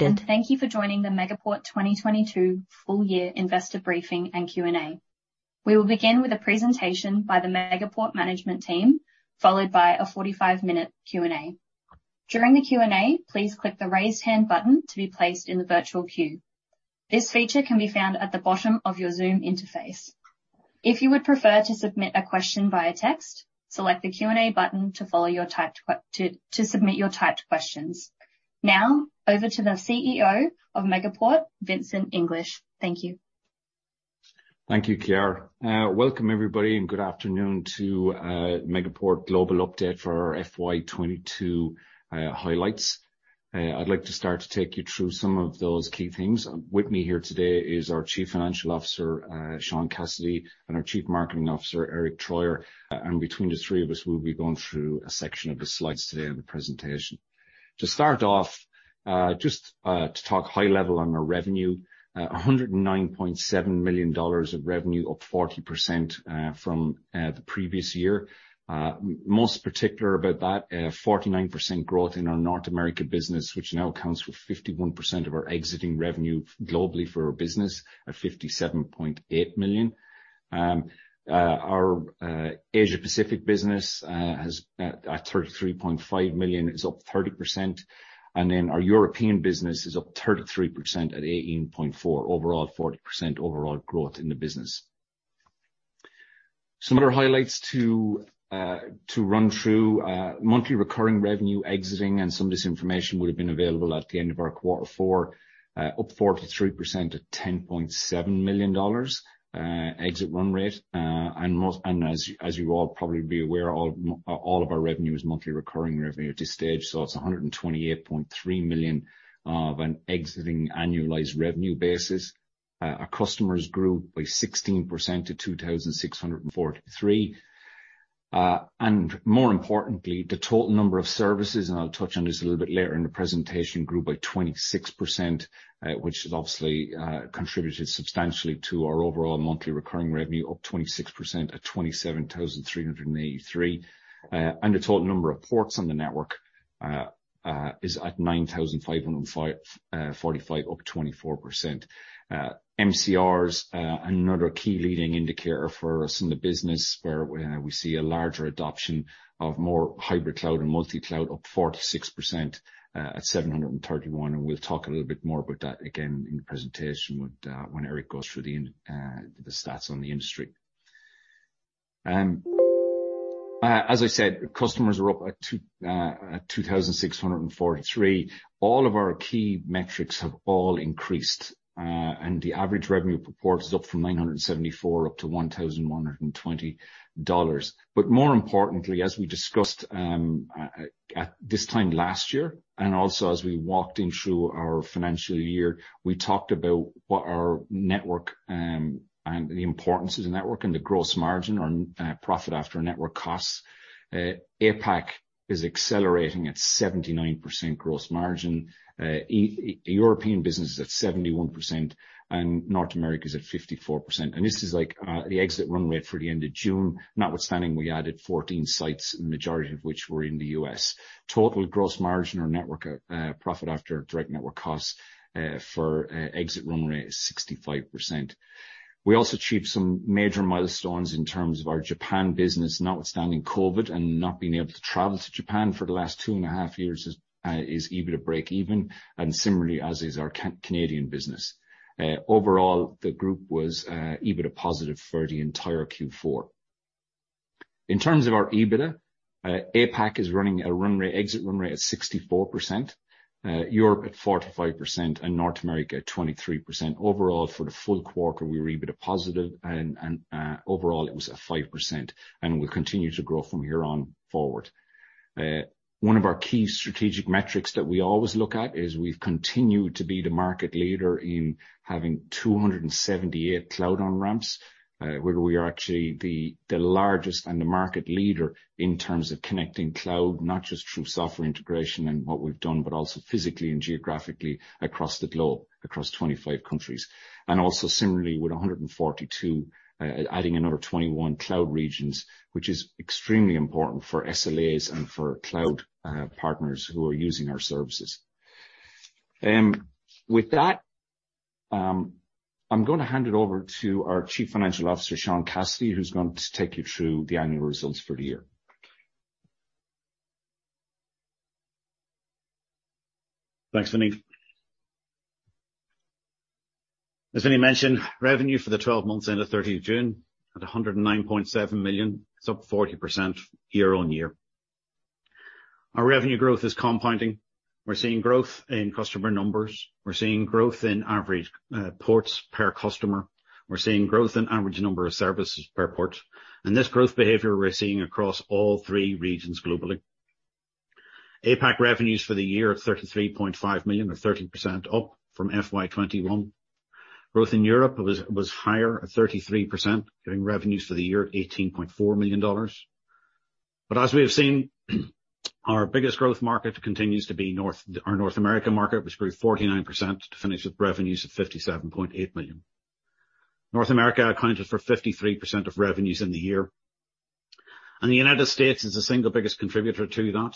Thank you for joining the Megaport 2022 Full Year Investor Briefing and Q&A. We will begin with a presentation by the Megaport management team, followed by a 45-minute Q&A. During the Q&A, please click the raise hand button to be placed in the virtual queue. This feature can be found at the bottom of your Zoom interface. If you would prefer to submit a question via text, select the Q&A button to submit your typed questions. Now over to the CEO of Megaport, Vincent English. Thank you. Thank you, Kiara. Welcome everybody, and good afternoon to Megaport global update for our FY 2022 highlights. I'd like to start to take you through some of those key things. With me here today is our chief financial officer, Cassidy, and our chief marketing officer, Eric Troyer. Between the three of us, we'll be going through a section of the slides today on the presentation. To start off, just to talk high level on our revenue, 109.7 million dollars of revenue, up 40% from the previous year. Most particular about that, 49% growth in our North America business, which now accounts for 51% of our existing revenue globally for our business, at 57.8 million. Our Asia Pacific business is at $33.5 million is up 30%. Our European business is up 33% at $18.4 million. Overall 40% overall growth in the business. Some other highlights to run through. Monthly recurring revenue exit and some of this information would have been available at the end of our quarter four, up 43% at $10.7 million, exit run rate. And as you all probably be aware, all of our revenue is monthly recurring revenue at this stage, so it's $128.3 million on an exit annualized revenue basis. Our customers grew by 16% to 2,643. More importantly, the total number of services, and I'll touch on this a little bit later in the presentation, grew by 26%, which has obviously contributed substantially to our overall monthly recurring revenue, up 26% at 27,383. The total number of ports on the network is at 9,545 up 24%. MCRs, another key leading indicator for us in the business where we see a larger adoption of more hybrid cloud and multi-cloud up 46% at 731, and we'll talk a little bit more about that again in the presentation with when Eric goes through the stats on the industry. As I said, customers are up at 2,643. All of our key metrics have all increased, and the average revenue per port is up from 974 up to 1,120 dollars. More importantly, as we discussed, at this time last year, and also as we walked you through our financial year, we talked about what our network and the importance of the network and the gross margin or profit after network costs. APAC is accelerating at 79% gross margin. European business is at 71%, and North America's at 54%. This is like the exit run rate for the end of June, notwithstanding we added 14 sites, the majority of which were in the U.S. Total gross margin or network profit after direct network costs for exit run rate is 65%. We also achieved some major milestones in terms of our Japan business, notwithstanding COVID and not being able to travel to Japan for the last two and a half years is EBITDA break even, and similarly, as is our Canadian business. Overall, the group was EBITDA positive for the entire Q4. In terms of our EBITDA, APAC is running at a run rate, exit run rate at 64%, Europe at 45% and North America at 23%. Overall, for the full quarter we were EBITDA positive and overall it was at 5% and will continue to grow from here on forward. One of our key strategic metrics that we always look at is we've continued to be the market leader in having 278 cloud on-ramps. Where we are actually the largest and the market leader in terms of connecting cloud, not just through software integration and what we've done, but also physically and geographically across the globe, across 25 countries. Also similarly with 142, adding another 21 cloud regions, which is extremely important for SLAs and for cloud partners who are using our services. With that, I'm gonna hand it over to our Chief Financial Officer, Seán Cassidy, who's going to take you through the annual results for the year. Thanks, Vinny. As Vinny mentioned, revenue for the 12 months ending thirtieth of June at 109.7 million, it's up 40% year-on-year. Our revenue growth is compounding. We're seeing growth in customer numbers. We're seeing growth in average ports per customer. We're seeing growth in average number of services per port. This growth behavior we're seeing across all three regions globally. APAC revenues for the year of 33.5 million or 30% up from FY 2021. Growth in Europe was higher at 33%, giving revenues for the year 18.4 million dollars. As we have seen, our biggest growth market continues to be North, our North America market, which grew 49% to finish with revenues of 57.8 million. North America accounted for 53% of revenues in the year. The United States is the single biggest contributor to that.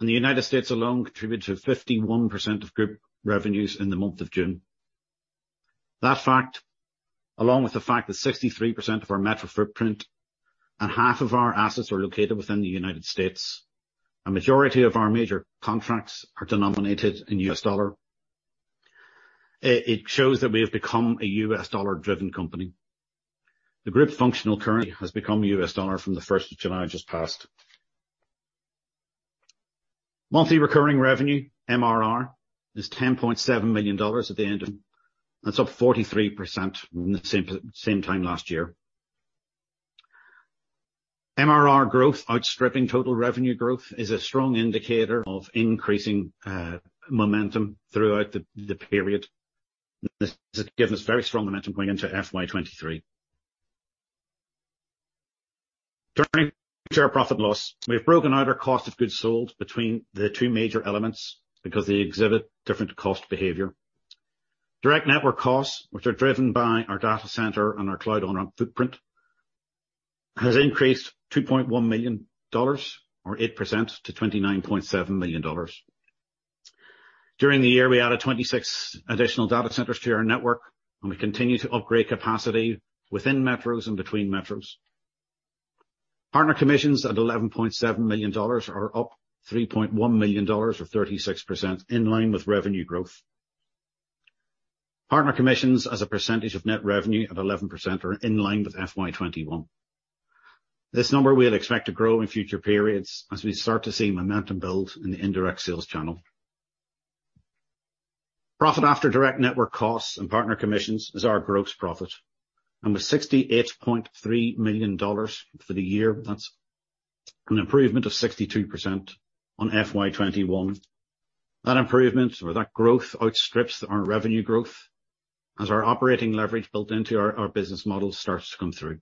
The United States alone contributed to 51% of group revenues in the month of June. That fact, along with the fact that 63% of our metro footprint and half of our assets are located within the United States, a majority of our major contracts are denominated in U.S. dollar. It shows that we have become a U.S. dollar-driven company. The group functional currency has become U.S. dollar from the first of July just passed. Monthly recurring revenue, MRR, is $10.7 million, that's up 43% from the same time last year. MRR growth outstripping total revenue growth is a strong indicator of increasing momentum throughout the period. This has given us very strong momentum going into FY 2023. During our P&L, we've broken out our cost of goods sold between the two major elements because they exhibit different cost behavior. Direct network costs, which are driven by our data center and our cloud footprint, has increased $2.1 million or 8% to $29.7 million. During the year, we added 26 additional data centers to our network, and we continue to upgrade capacity within metros and between metros. Partner commissions at $11.7 million are up $3.1 million, or 36% in line with revenue growth. Partner commissions as a percentage of net revenue at 11% are in line with FY 2021. This number we'll expect to grow in future periods as we start to see momentum build in the indirect sales channel. Profit after direct network costs and partner commissions is our gross profit, and with $68.3 million for the year, that's an improvement of 62% on FY 2021. That improvement or that growth outstrips our revenue growth as our operating leverage built into our business model starts to come through.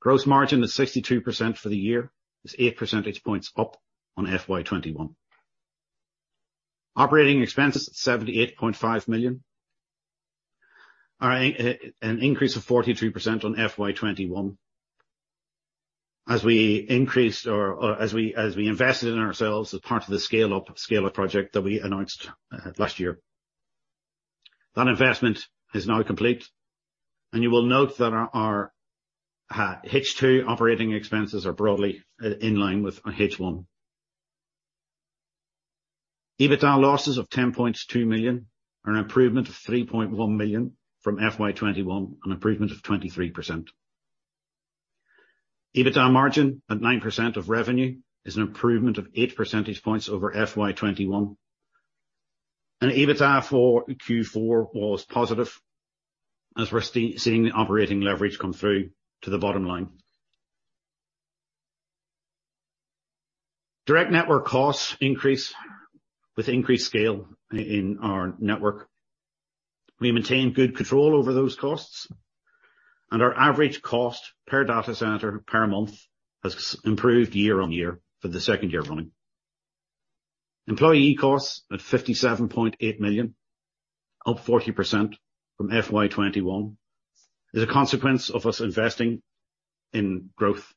Gross margin is 62% for the year. It's eight percentage points up on FY 2021. Operating expenses, $78.5 million, an increase of 43% on FY 2021. As we invested in ourselves as part of the scale-up project that we announced last year. That investment is now complete, and you will note that our H2 operating expenses are broadly in line with H1. EBITDA losses of 10.2 million are an improvement of 3.1 million from FY 2021, an improvement of 23%. EBITDA margin at 9% of revenue is an improvement of eight percentage points over FY 2021. EBITDA for Q4 was positive as we're seeing the operating leverage come through to the bottom line. Direct network costs increase with increased scale in our network. We maintain good control over those costs, and our average cost per data center per month has improved year-on-year for the second year running. Employee costs at 57.8 million, up 40% from FY 2021, is a consequence of us investing in growth.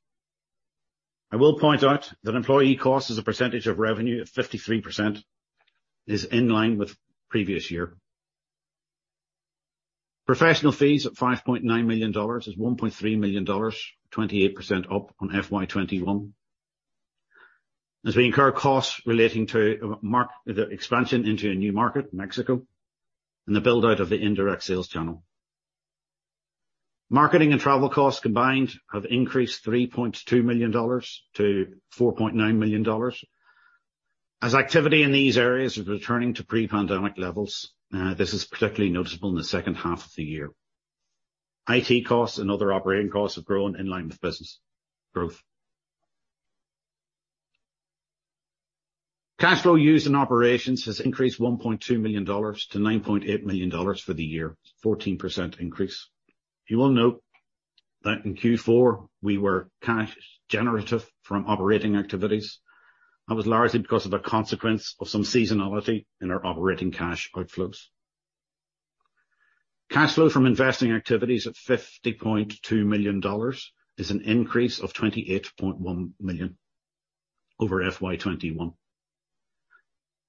I will point out that employee cost is a percentage of revenue at 53% is in line with previous year. Professional fees at $5.9 million is $1.3 million, 28% up on FY 2021, as we incur costs relating to the expansion into a new market, Mexico, and the build-out of the indirect sales channel. Marketing and travel costs combined have increased $3.2 million to $4.9 million. As activity in these areas is returning to pre-pandemic levels, this is particularly noticeable in the second half of the year. IT costs and other operating costs have grown in line with business growth. Cash flow used in operations has increased $1.2 million to $9.8 million for the year, 14% increase. You will note that in Q4, we were cash generative from operating activities. That was largely because of the consequence of some seasonality in our operating cash outflows. Cash flow from investing activities at $50.2 million is an increase of $28.1 million over FY 2021.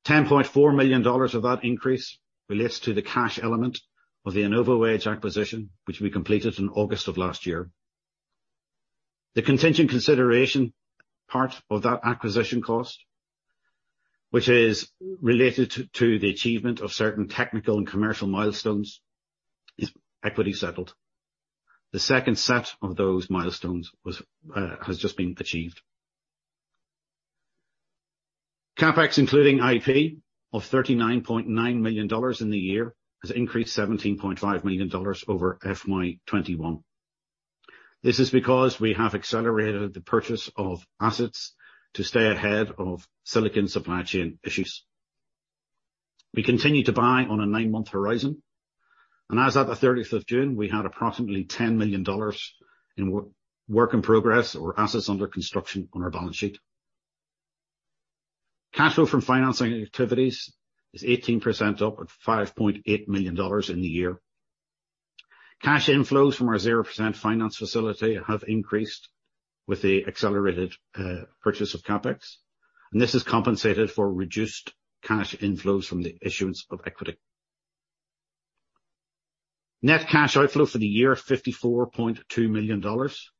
$10.4 million of that increase relates to the cash element of the InnovoEdge acquisition, which we completed in August of last year. The contingent consideration part of that acquisition cost, which is related to the achievement of certain technical and commercial milestones, is equity settled. The second set of those milestones has just been achieved. CapEx, including IP of $39.9 million in the year, has increased $17.5 million over FY 2021. This is because we have accelerated the purchase of assets to stay ahead of silicon supply chain issues. We continue to build on a nine-month horizon, and as at the thirtieth of June, we had approximately 10 million dollars in work in progress or assets under construction on our balance sheet. Cash flow from financing activities is 18% up at 5.8 million dollars in the year. Cash inflows from our 0% finance facility have increased with the accelerated purchase of CapEx, and this has compensated for reduced cash inflows from the issuance of equity. Net cash outflow for the year, 54.2 million dollars,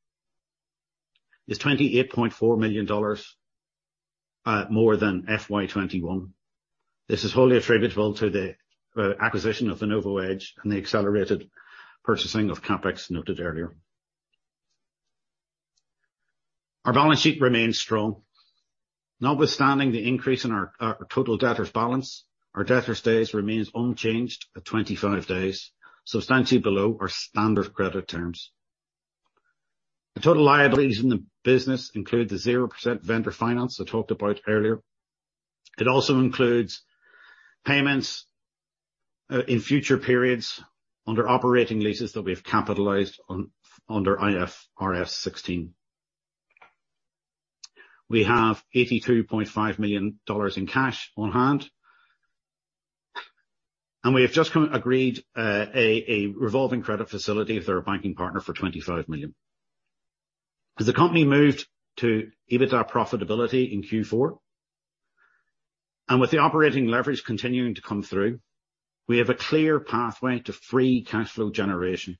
is 28.4 million dollars more than FY 2021. This is wholly attributable to the acquisition of InnovoEdge and the accelerated purchasing of CapEx noted earlier. Our balance sheet remains strong. Notwithstanding the increase in our total debtors balance, our debtors days remains unchanged at 25 days, substantially below our standard credit terms. The total liabilities in the business include the zero percent vendor finance I talked about earlier. It also includes payments in future periods under operating leases that we've capitalized under IFRS 16. We have $82.5 million in cash on hand. We have just agreed a revolving credit facility through our banking partner for $25 million. As the company moved to EBITDA profitability in Q4, and with the operating leverage continuing to come through, we have a clear pathway to free cash flow generation.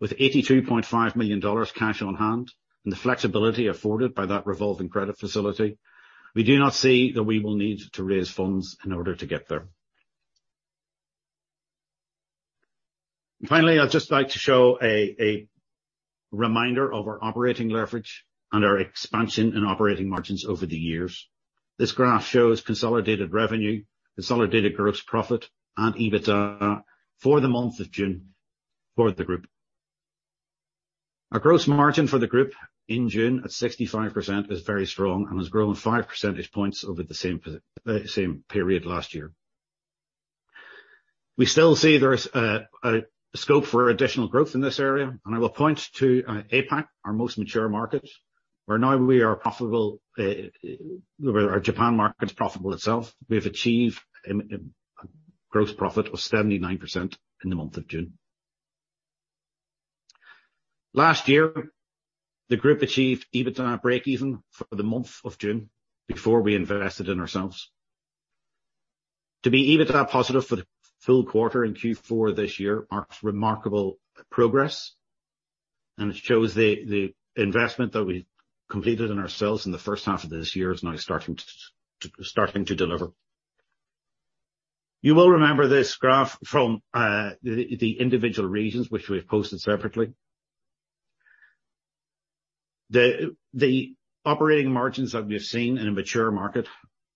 With $82.5 million cash on hand and the flexibility afforded by that revolving credit facility, we do not see that we will need to raise funds in order to get there. Finally, I'd just like to show a reminder of our operating leverage and our expansion and operating margins over the years. This graph shows consolidated revenue, consolidated gross profit, and EBITDA for the month of June for the group. Our gross margin for the group in June at 65% is very strong and has grown five percentage points over the same period last year. We still see there is a scope for additional growth in this area, and I will point to APAC, our most mature market, where now we are profitable. Where our Japan market is profitable itself. We have achieved a gross profit of 79% in the month of June. Last year, the group achieved EBITDA break-even for the month of June before we invested in ourselves. To be EBITDA positive for the full quarter in Q4 this year marks remarkable progress, and it shows the investment that we completed in ourselves in the first half of this year is now starting to deliver. You will remember this graph from the individual regions which we've posted separately. The operating margins that we've seen in a mature market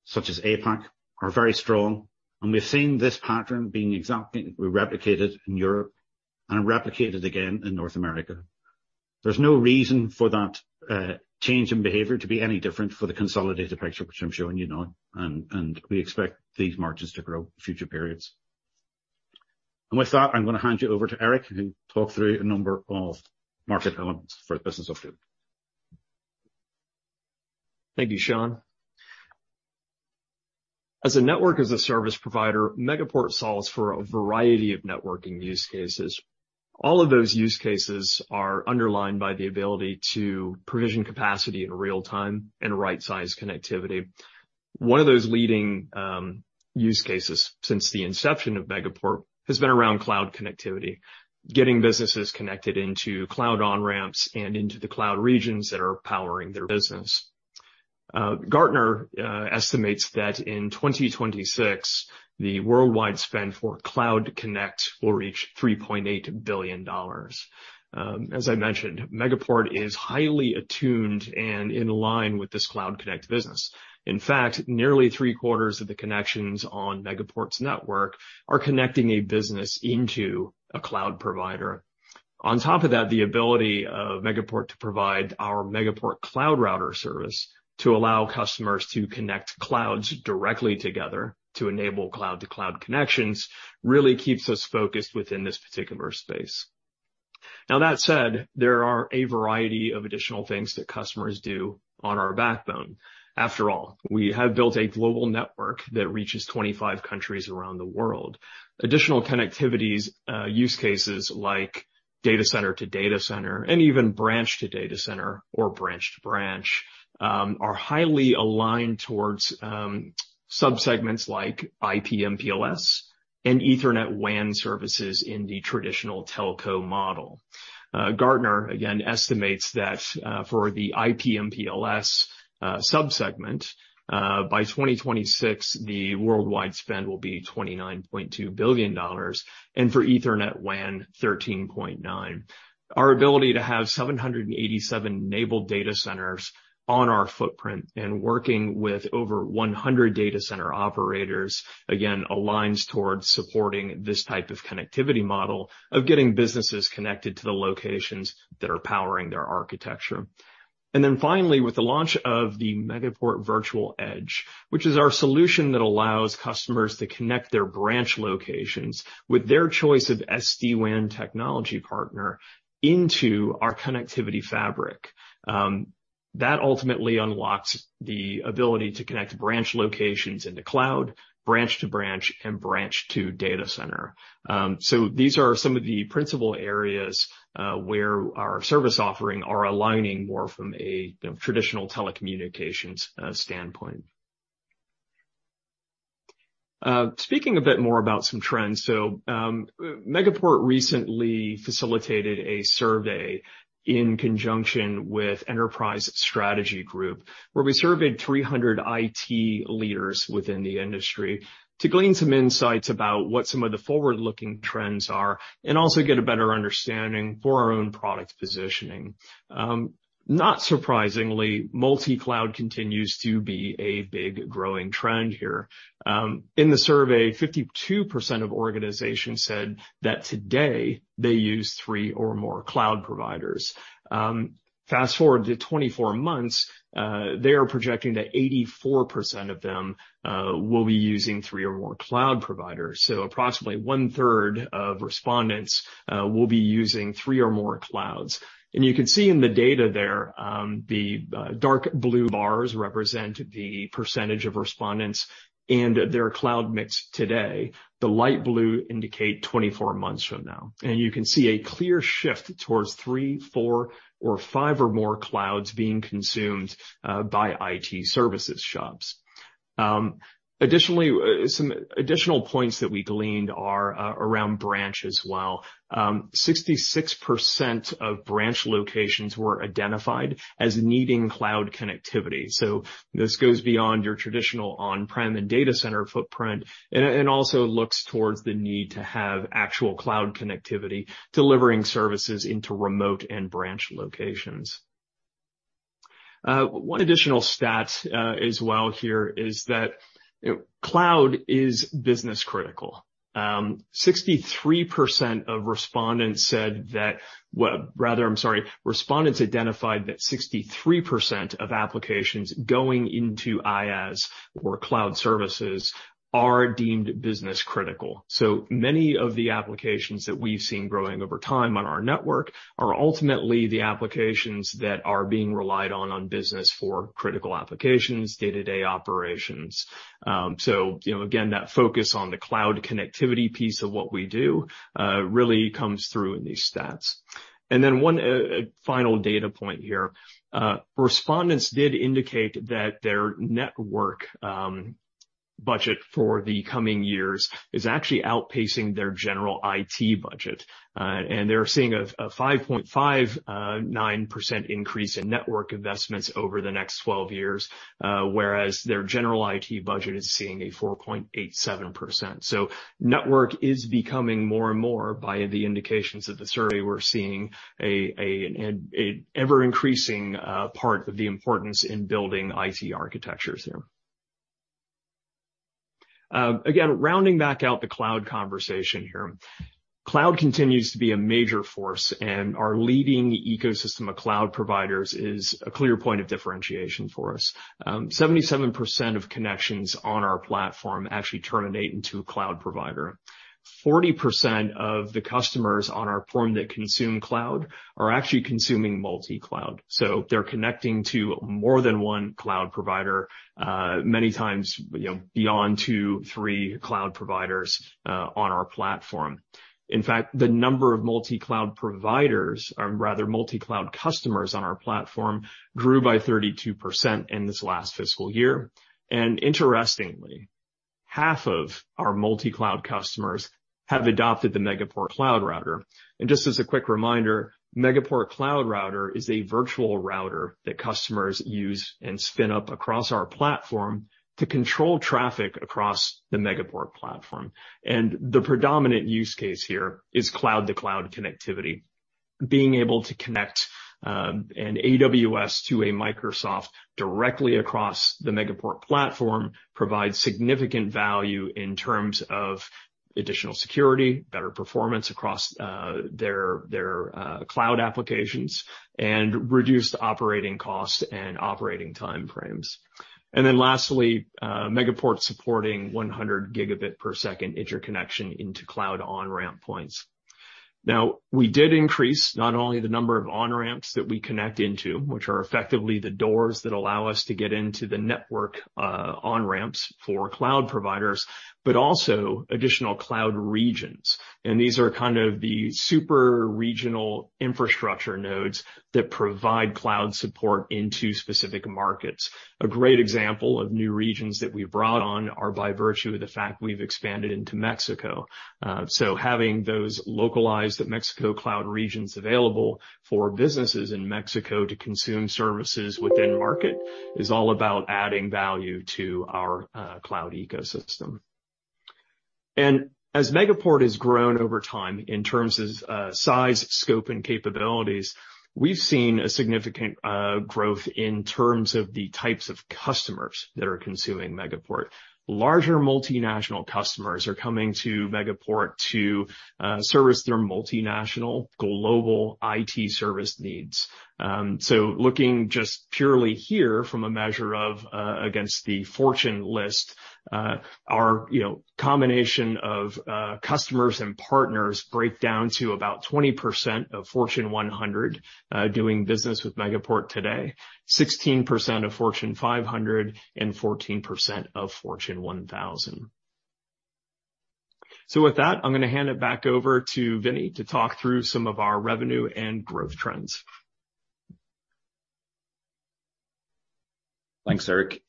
such as APAC are very strong, and we've seen this pattern being exactly replicated in Europe and replicated again in North America. There's no reason for that change in behavior to be any different for the consolidated picture, which I'm showing you now, and we expect these margins to grow in future periods. With that, I'm gonna hand you over to Erik, who'll talk through a number of market elements for the business update. Thank you, Seán. As a network as a service provider, Megaport solves for a variety of networking use cases. All of those use cases are underlined by the ability to provision capacity in real-time and right-size connectivity. One of those leading use cases since the inception of Megaport has been around cloud connectivity, getting businesses connected into cloud on-ramps and into the cloud regions that are powering their business. Gartner estimates that in 2026, the worldwide spend for Cloud Connect will reach $3.8 billion. As I mentioned, Megaport is highly attuned and in line with this Cloud Connect business. In fact, nearly three-quarters of the connections on Megaport's network are connecting a business into a cloud provider. On top of that, the ability of Megaport to provide our Megaport Cloud Router service to allow customers to connect clouds directly together to enable cloud-to-cloud connections really keeps us focused within this particular space. Now, that said, there are a variety of additional things that customers do on our backbone. After all, we have built a global network that reaches 25 countries around the world. Additional connectivity's, use cases like data center to data center and even branch to data center or branch to branch, are highly aligned towards, sub-segments like IP MPLS and Ethernet WAN services in the traditional telco model. Gartner again estimates that, for the IP MPLS sub-segment, by 2026, the worldwide spend will be $29.2 billion and for Ethernet WAN, $13.9 billion. Our ability to have 787 enabled data centers on our footprint and working with over 100 data center operators, again, aligns towards supporting this type of connectivity model of getting businesses connected to the locations that are powering their architecture. Finally, with the launch of the Megaport Virtual Edge, which is our solution that allows customers to connect their branch locations with their choice of SD-WAN technology partner into our connectivity fabric, that ultimately unlocks the ability to connect branch locations into cloud, branch to branch, and branch to data center. So these are some of the principal areas where our service offering are aligning more from a, you know, traditional telecommunications standpoint. Speaking a bit more about some trends. Megaport recently facilitated a survey in conjunction with Enterprise Strategy Group, where we surveyed 300 IT leaders within the industry to glean some insights about what some of the forward-looking trends are and also get a better understanding for our own product positioning. Not surprisingly, multi-cloud continues to be a big growing trend here. In the survey, 52% of organizations said that today they use three or more cloud providers. Fast-forward to 24 months, they are projecting that 84% of them will be using three or more cloud providers. Approximately one-third of respondents will be using three or more clouds. You can see in the data there, dark blue bars represent the percentage of respondents and their cloud mix today. The light blue indicate 24 months from now. You can see a clear shift towards three, four, or five or more clouds being consumed by IT services shops. Additionally, some additional points that we gleaned are around branch as well. 66% of branch locations were identified as needing cloud connectivity. This goes beyond your traditional on-prem and data center footprint and also looks towards the need to have actual cloud connectivity delivering services into remote and branch locations. One additional stat as well here is that cloud is business critical. Respondents identified that 63% of applications going into IaaS or cloud services are deemed business critical. Many of the applications that we've seen growing over time on our network are ultimately the applications that are being relied on in business for critical applications, day-to-day operations. You know, again, that focus on the cloud connectivity piece of what we do really comes through in these stats. One final data point here. Respondents did indicate that their network budget for the coming years is actually outpacing their general IT budget. They're seeing a 5.59% increase in network investments over the next 12 years, whereas their general IT budget is seeing a 4.87%. Network is becoming more and more by the indications of the survey. We're seeing an ever-increasing part of the importance in building IT architectures here. Again, rounding back out the cloud conversation here. Cloud continues to be a major force, and our leading ecosystem of cloud providers is a clear point of differentiation for us. 77% of connections on our platform actually terminate into a cloud provider. 40% of the customers on our platform that consume cloud are actually consuming multi-cloud, so they're connecting to more than one cloud provider, many times, you know, beyond two, three cloud providers, on our platform. In fact, the number of multi-cloud providers, or rather multi-cloud customers on our platform, grew by 32% in this last fiscal year. Interestingly, half of our multi-cloud customers have adopted the Megaport Cloud Router. Just as a quick reminder, Megaport Cloud Router is a virtual router that customers use and spin up across our platform to control traffic across the Megaport platform. The predominant use case here is cloud-to-cloud connectivity. Being able to connect an AWS to a Microsoft directly across the Megaport platform provides significant value in terms of additional security, better performance across their cloud applications, and reduced operating costs and operating time frames. Megaport supporting 100 Gb interconnection into cloud on-ramp points. Now, we did increase not only the number of on-ramps that we connect into, which are effectively the doors that allow us to get into the network, on-ramps for cloud providers, but also additional cloud regions. These are kind of the super regional infrastructure nodes that provide cloud support into specific markets. A great example of new regions that we've brought on are by virtue of the fact we've expanded into Mexico. Having those localized Mexico cloud regions available for businesses in Mexico to consume services within market is all about adding value to our cloud ecosystem. As Megaport has grown over time in terms of size, scope, and capabilities, we've seen a significant growth in terms of the types of customers that are consuming Megaport. Larger multinational customers are coming to Megaport to service their multinational global IT service needs. Looking just purely here from a measure of against the Fortune list, our, you know, combination of customers and partners break down to about 20% of Fortune 100 doing business with Megaport today, 16% of Fortune 500 and 14% of Fortune 1,000. With that, I'm gonna hand it back over to Vinny to talk through some of our revenue and growth trends. Thanks, Eric.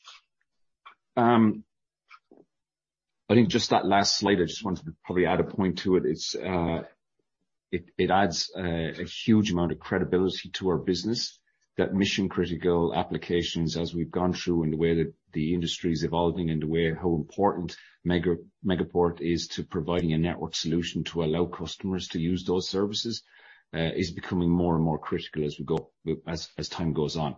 I think just that last slide, I just wanted to probably add a point to it. It adds a huge amount of credibility to our business. That mission-critical applications as we've gone through and the way that the industry is evolving and the way how important Megaport is to providing a network solution to allow customers to use those services is becoming more and more critical as time goes on.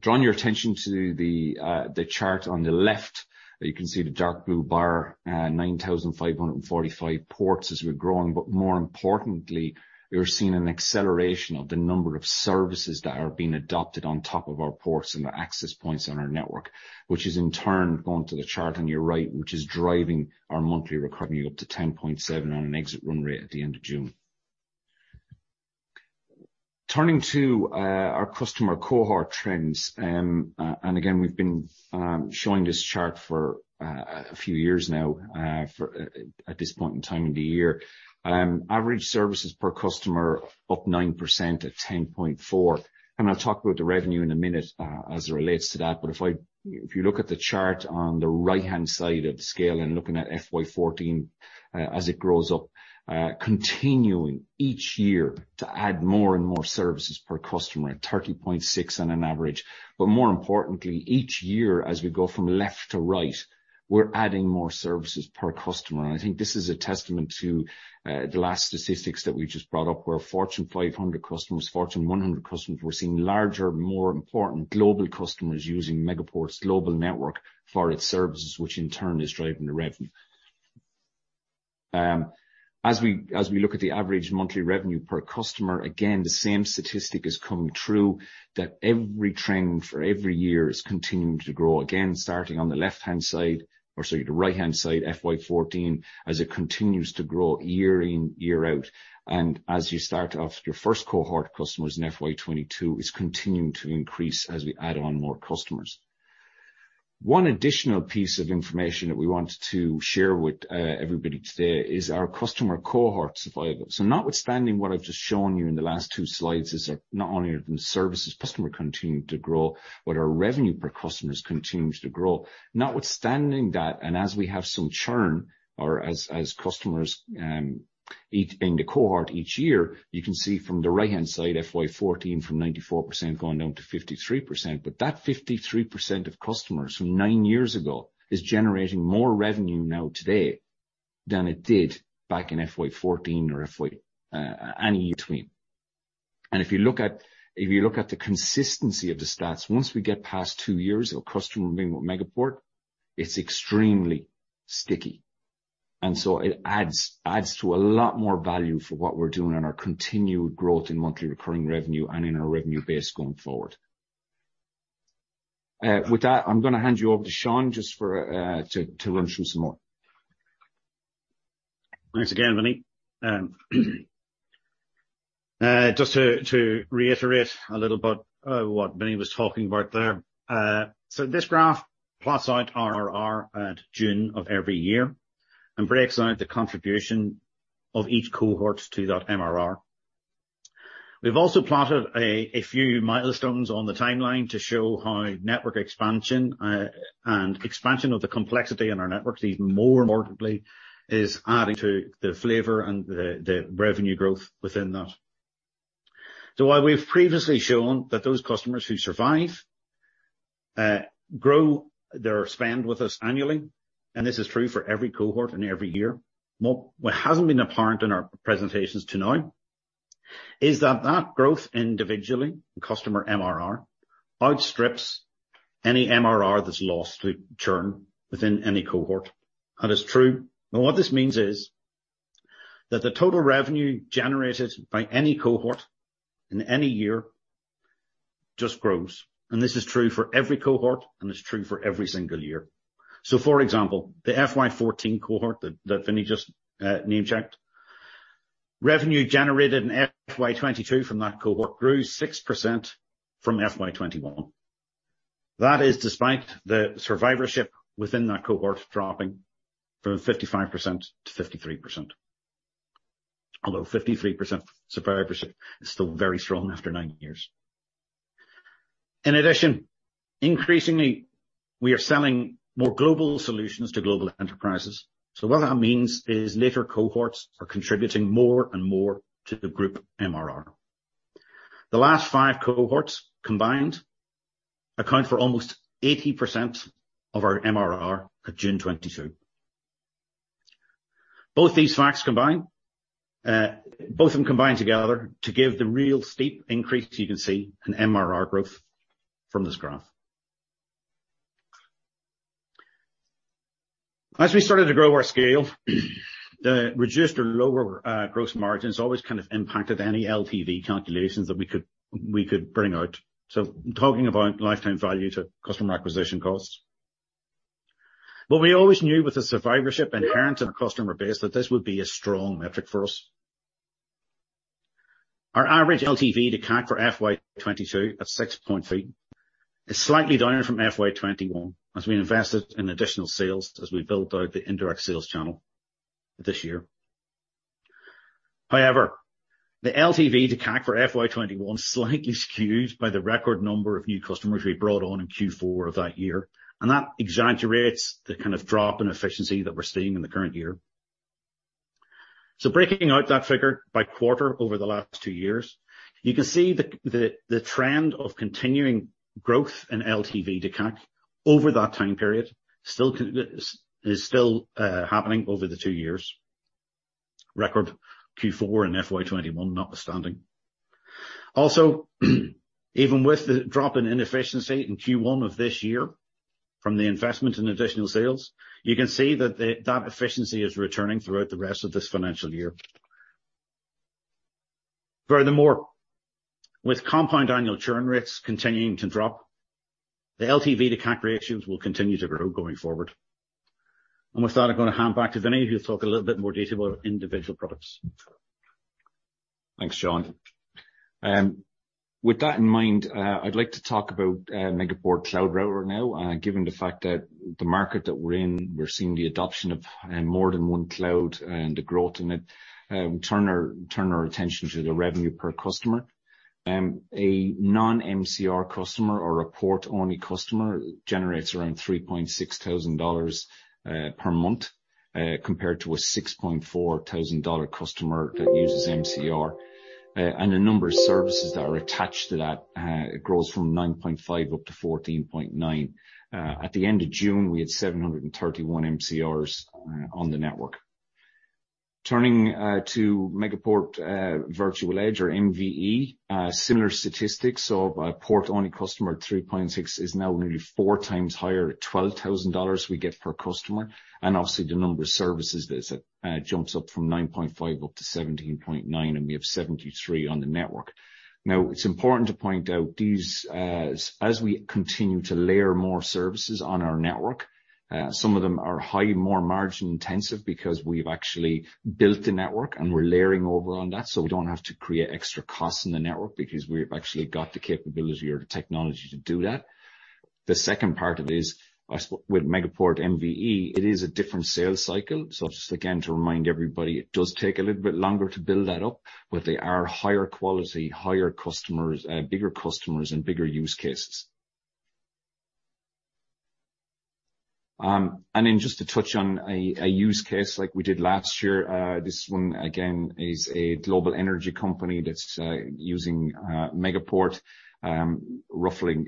Drawing your attention to the chart on the left, you can see the dark blue bar, 9,545 ports as we're growing. More importantly, we're seeing an acceleration of the number of services that are being adopted on top of our ports and the access points on our network, which is in turn going to the chart on your right, which is driving our monthly recurring up to 10.7 on an exit run rate at the end of June. Turning to our customer Cohort trends. Again, we've been showing this chart for a few years now, for at this point in time of the year. Average services per customer up 9% at 10.4. I'll talk about the revenue in a minute, as it relates to that. If you look at the chart on the right-hand side of the scale and looking at FY 2014 as it grows up, continuing each year to add more and more services per customer at 30.6 on average. But more importantly, each year, as we go from left to right, we're adding more services per customer. And I think this is a testament to the last statistics that we just brought up, where Fortune 500 customers, Fortune 100 customers, we're seeing larger, more important global customers using Megaport's global network for its services, which in turn is driving the revenue. As we look at the average monthly revenue per customer, again, the same statistic is coming true that every trend for every year is continuing to grow. Starting on the left-hand side or the right-hand side, FY 2014 as it continues to grow year in, year out. As you start off, your first Cohort of customers in FY 2022 is continuing to increase as we add on more customers. One additional piece of information that we wanted to share with everybody today is our customer Cohort survival. Notwithstanding what I've just shown you in the last two slides is that not only are the customers continuing to grow, but our revenue per customer is continuing to grow. Notwithstanding that, and as we have some churn or as customers in each Cohort each year, you can see from the right-hand side, FY 2014 from 94%, going down to 53%. That 53% of customers from nine years ago is generating more revenue now today than it did back in FY 2014 or FY any year between. If you look at the consistency of the stats, once we get past two years of customer being with Megaport, it's extremely sticky. It adds to a lot more value for what we're doing on our continued growth in monthly recurring revenue and in our revenue base going forward. With that, I'm gonna hand you over to Seán just for to run through some more. Thanks again, Vinny. Just to reiterate a little about what Vinny was talking about there. This graph plots out RRR at June of every year and breaks out the contribution of each Cohort to that MRR. We've also plotted a few milestones on the timeline to show how network expansion and expansion of the complexity in our networks, even more importantly, is adding to the flavor and the revenue growth within that. While we've previously shown that those customers who survive grow their spend with us annually, and this is true for every Cohort and every year. What hasn't been apparent in our presentations tonight is that that growth individually in customer MRR outstrips any MRR that's lost to churn within any Cohort. That is true. What this means is that the total revenue generated by any Cohort in any year just grows. This is true for every Cohort, and it's true for every single year. For example, the FY 2014 Cohort that Vinny just name-checked, revenue generated in FY 2022 from that Cohort grew 6% from FY 2021. That is despite the survivorship within that Cohort dropping from 55% to 53%. Although 53% survivorship is still very strong after nine years. In addition, increasingly, we are selling more global solutions to global enterprises. What that means is later Cohorts are contributing more and more to the group MRR. The last five Cohorts combined account for almost 80% of our MRR at June 2022. Both these facts combined together to give the real steep increase you can see in MRR growth from this graph. As we started to grow our scale, the reduced or lower gross margins always kind of impacted any LTV calculations that we could bring out. Talking about lifetime value to customer acquisition costs. We always knew with the survivorship inherent in the customer base that this would be a strong metric for us. Our average LTV to CAC for FY 2022 at 6.3 is slightly down from FY 2021 as we invested in additional sales as we build out the indirect sales channel this year. However, the LTV to CAC for FY 2021 slightly skewed by the record number of new customers we brought on in Q4 of that year. That exaggerates the kind of drop in efficiency that we're seeing in the current year. Breaking out that figure by quarter over the last two years, you can see the trend of continuing growth in LTV to CAC over that time period is still happening over the two years. Record Q4 and FY 2021 notwithstanding. Also, even with the drop in inefficiency in Q1 of this year from the investment in additional sales, you can see that efficiency is returning throughout the rest of this financial year. Furthermore, with compound annual churn rates continuing to drop, the LTV to CAC ratios will continue to grow going forward. With that, I'm gonna hand back to Vinay who'll talk a little bit more detail about individual products. Thanks, John. With that in mind, I'd like to talk about Megaport Cloud Router now, given the fact that the market that we're in, we're seeing the adoption of more than one cloud and the growth in it. Turn our attention to the revenue per customer. A non-MCR customer or a port only customer generates around 3,600 dollars per month, compared to a 6,400 dollar customer that uses MCR. The number of services that are attached to that grows from 9.5 up to 14.9. At the end of June, we had 731 MCRs on the network. Turning to Megaport Virtual Edge or MVE, similar statistics. A port-only customer at 3.6 is now nearly four times higher at $12,000 we get per customer. Obviously the number of services that's jumps up from 9.5 up to 17.9, and we have 73 on the network. Now, it's important to point out these as we continue to layer more services on our network, some of them are highly more margin intensive because we've actually built the network and we're layering over on that, so we don't have to create extra costs in the network because we've actually got the capability or the technology to do that. The second part of it is with Megaport MVE, it is a different sales cycle. Just again to remind everybody, it does take a little bit longer to build that up, but they are higher quality, higher customers, bigger customers and bigger use cases. And then just to touch on a use case like we did last year, this one again is a global energy company that's using Megaport, roughly,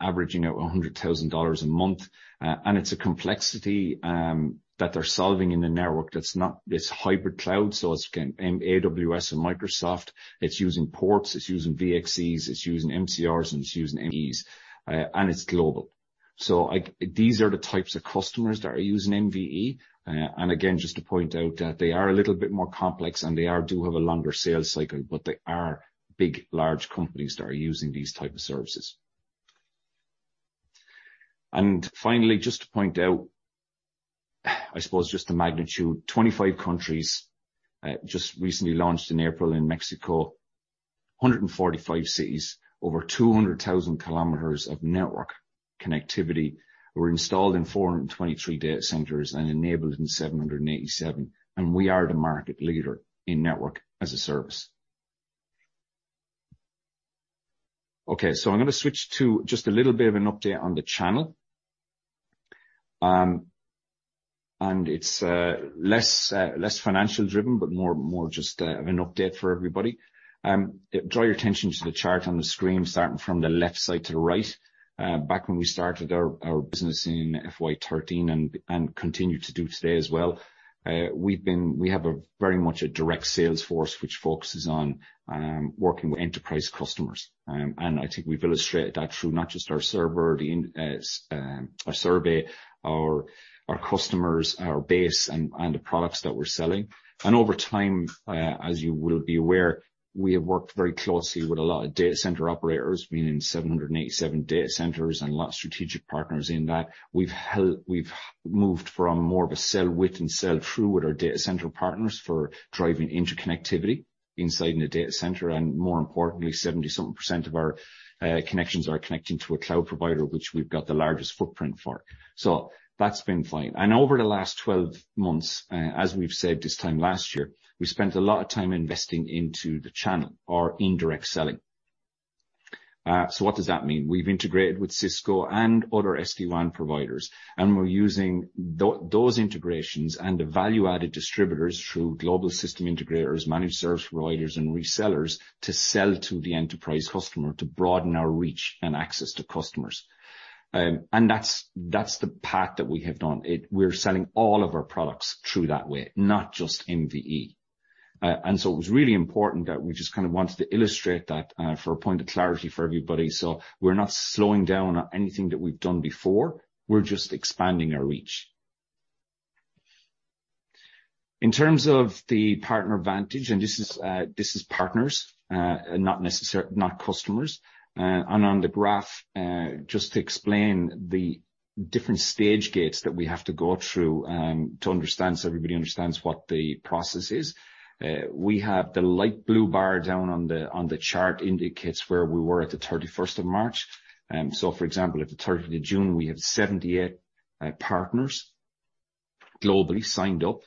averaging at 100,000 dollars a month. And it's a complexity that they're solving in the network that's not this hybrid cloud. It's again AWS and Microsoft. It's using ports, it's using VXCs, it's using MCRs, and it's using MVEs, and it's global. These are the types of customers that are using MVE. Again, just to point out that they are a little bit more complex, and they do have a longer sales cycle, but they are big, large companies that are using these type of services. Finally, just to point out, I suppose just the magnitude, 25 countries, just recently launched in April in Mexico. 145 cities, over 200,000 kilometers of network connectivity were installed in 423 data centers and enabled in 787. We are the market leader in network as a service. Okay. I'm gonna switch to just a little bit of an update on the channel. It's less financial driven, but more just an update for everybody. Draw your attention to the chart on the screen, starting from the left side to the right. Back when we started our business in FY 2013 and continue to do today as well, we have a very much a direct sales force which focuses on working with enterprise customers. I think we've illustrated that through not just our server, our survey, our customers, our base and the products that we're selling. Over time, as you will be aware, we have worked very closely with a lot of data center operators, being in 787 data centers and a lot of strategic partners in that. We've moved from more of a sell with and sell through with our data center partners for driving interconnectivity inside the data center, and more importantly, 70-something% of our connections are connecting to a cloud provider, which we've got the largest footprint for. That's been fine. Over the last 12 months, as we've said this time last year, we spent a lot of time investing into the channel or indirect selling. What does that mean? We've integrated with Cisco and other SD-WAN providers, and we're using those integrations and the value-added distributors through global system integrators, managed service providers and resellers to sell to the enterprise customer to broaden our reach and access to customers. That's the path that we have done. We're selling all of our products through that way, not just MVE. It was really important that we just kind of wanted to illustrate that, for a point of clarity for everybody. We're not slowing down on anything that we've done before. We're just expanding our reach. In terms of the Partner Vantage, and this is partners, not necessarily, not customers. On the graph, just to explain the different stage gates that we have to go through, to understand so everybody understands what the process is. We have the light blue bar down on the chart indicates where we were at the 31st of March. For example, at the 13th of June, we had 78 partners globally signed up,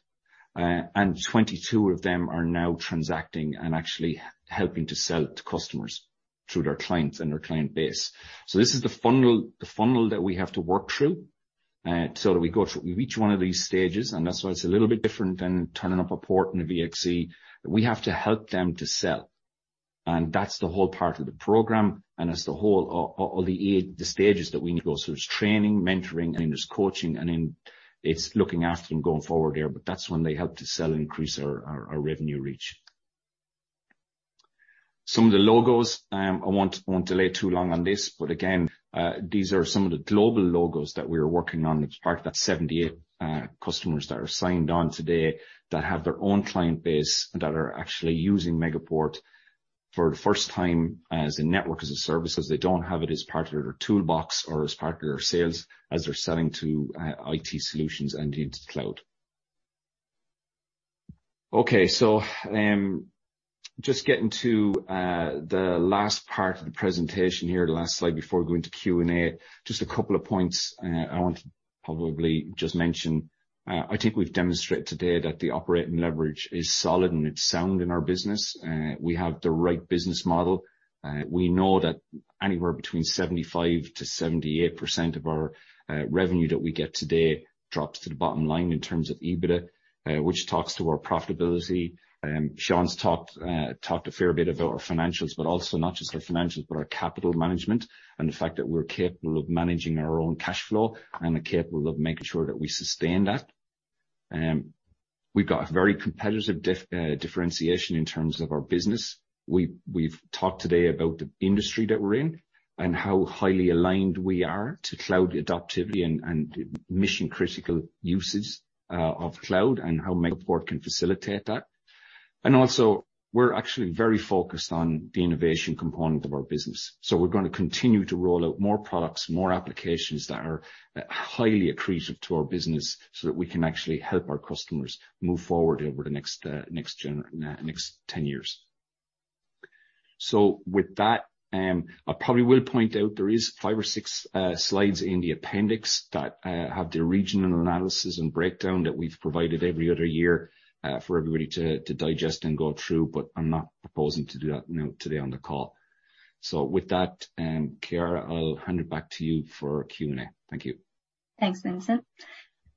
and 22 of them are now transacting and actually helping to sell to customers through their clients and their client base. This is the funnel that we have to work through, so that we go through each one of these stages, and that's why it's a little bit different than turning up a port in a VXC. We have to help them to sell, and that's the whole part of the program, and that's all the stages that we need to go through. Training, mentoring, and then there's coaching, and then it's looking after them going forward there, but that's when they help to sell and increase our revenue reach. Some of the logos, I won't delay too long on this, but again, these are some of the global logos that we are working on as part of that 78 customers that are signed on today that have their own client base and that are actually using Megaport for the first time as a network, as a service, as they don't have it as part of their toolbox or as part of their sales as they're selling to IT solutions and into the cloud. Okay. Just getting to the last part of the presentation here, the last slide before we go into Q&A. Just a couple of points, I want to probably just mention. I think we've demonstrated today that the operating leverage is solid and it's sound in our business. We have the right business model. We know that anywhere between 75%-78% of our revenue that we get today drops to the bottom line in terms of EBITDA, which talks to our profitability. 's talked a fair bit about our financials, but also not just our financials, but our capital management and the fact that we're capable of managing our own cash flow and are capable of making sure that we sustain that. We've got a very competitive differentiation in terms of our business. We've talked today about the industry that we're in and how highly aligned we are to cloud adoption and mission-critical usage of cloud and how Megaport can facilitate that. We're actually very focused on the innovation component of our business. We're gonna continue to roll out more products, more applications that are highly accretive to our business so that we can actually help our customers move forward over the next 10 years. With that, I probably will point out there is five or six slides in the appendix that have the regional analysis and breakdown that we've provided every other year for everybody to digest and go through, but I'm not proposing to do that, you know, today on the call. With that, Kiara, I'll hand it back to you for Q&A. Thank you. Thanks, Vincent.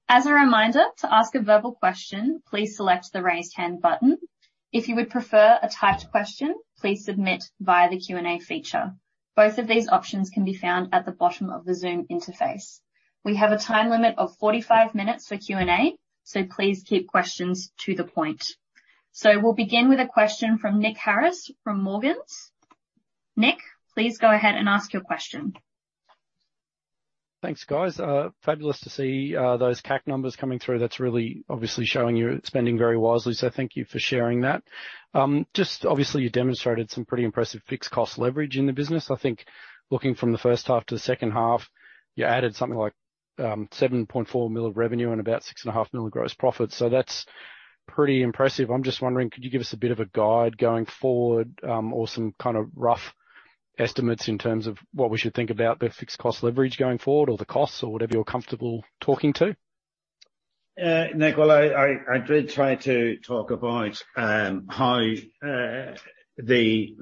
As a reminder, to ask a verbal question, please select the Raise Hand button. If you would prefer a typed question, please submit via the Q&A feature. Both of these options can be found at the bottom of the Zoom interface. We have a time limit of 45 minutes for Q&A, so please keep questions to the point. We'll begin with a question from Nick Harris from Morgans. Nick, please go ahead and ask your question. Thanks, guys. Fabulous to see those CAC numbers coming through. That's really obviously showing you're spending very wisely, so thank you for sharing that. Just obviously you demonstrated some pretty impressive fixed cost leverage in the business. I think looking from the first half to the second half, you added something like 7.4 million of revenue and about 6.5 million of gross profit. That's pretty impressive. I'm just wondering, could you give us a bit of a guide going forward or some kind of rough estimates in terms of what we should think about the fixed cost leverage going forward or the costs or whatever you're comfortable talking to? Nickolai, well, I did try to talk about how the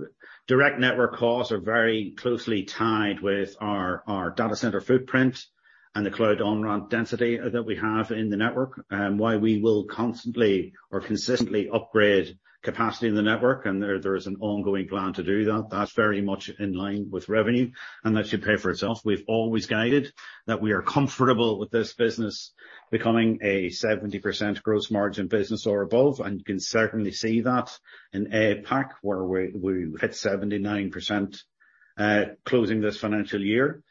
direct network costs are very closely tied with our data center footprint and the cloud on-ramp density that we have in the network. Why we will constantly or consistently upgrade capacity in the network and there is an ongoing plan to do that's very much in line with revenue, and that should pay for itself. We've always guided that we are comfortable with this business becoming a 70% gross margin business or above, and you can certainly see that in APAC, where we hit 79% closing this financial year.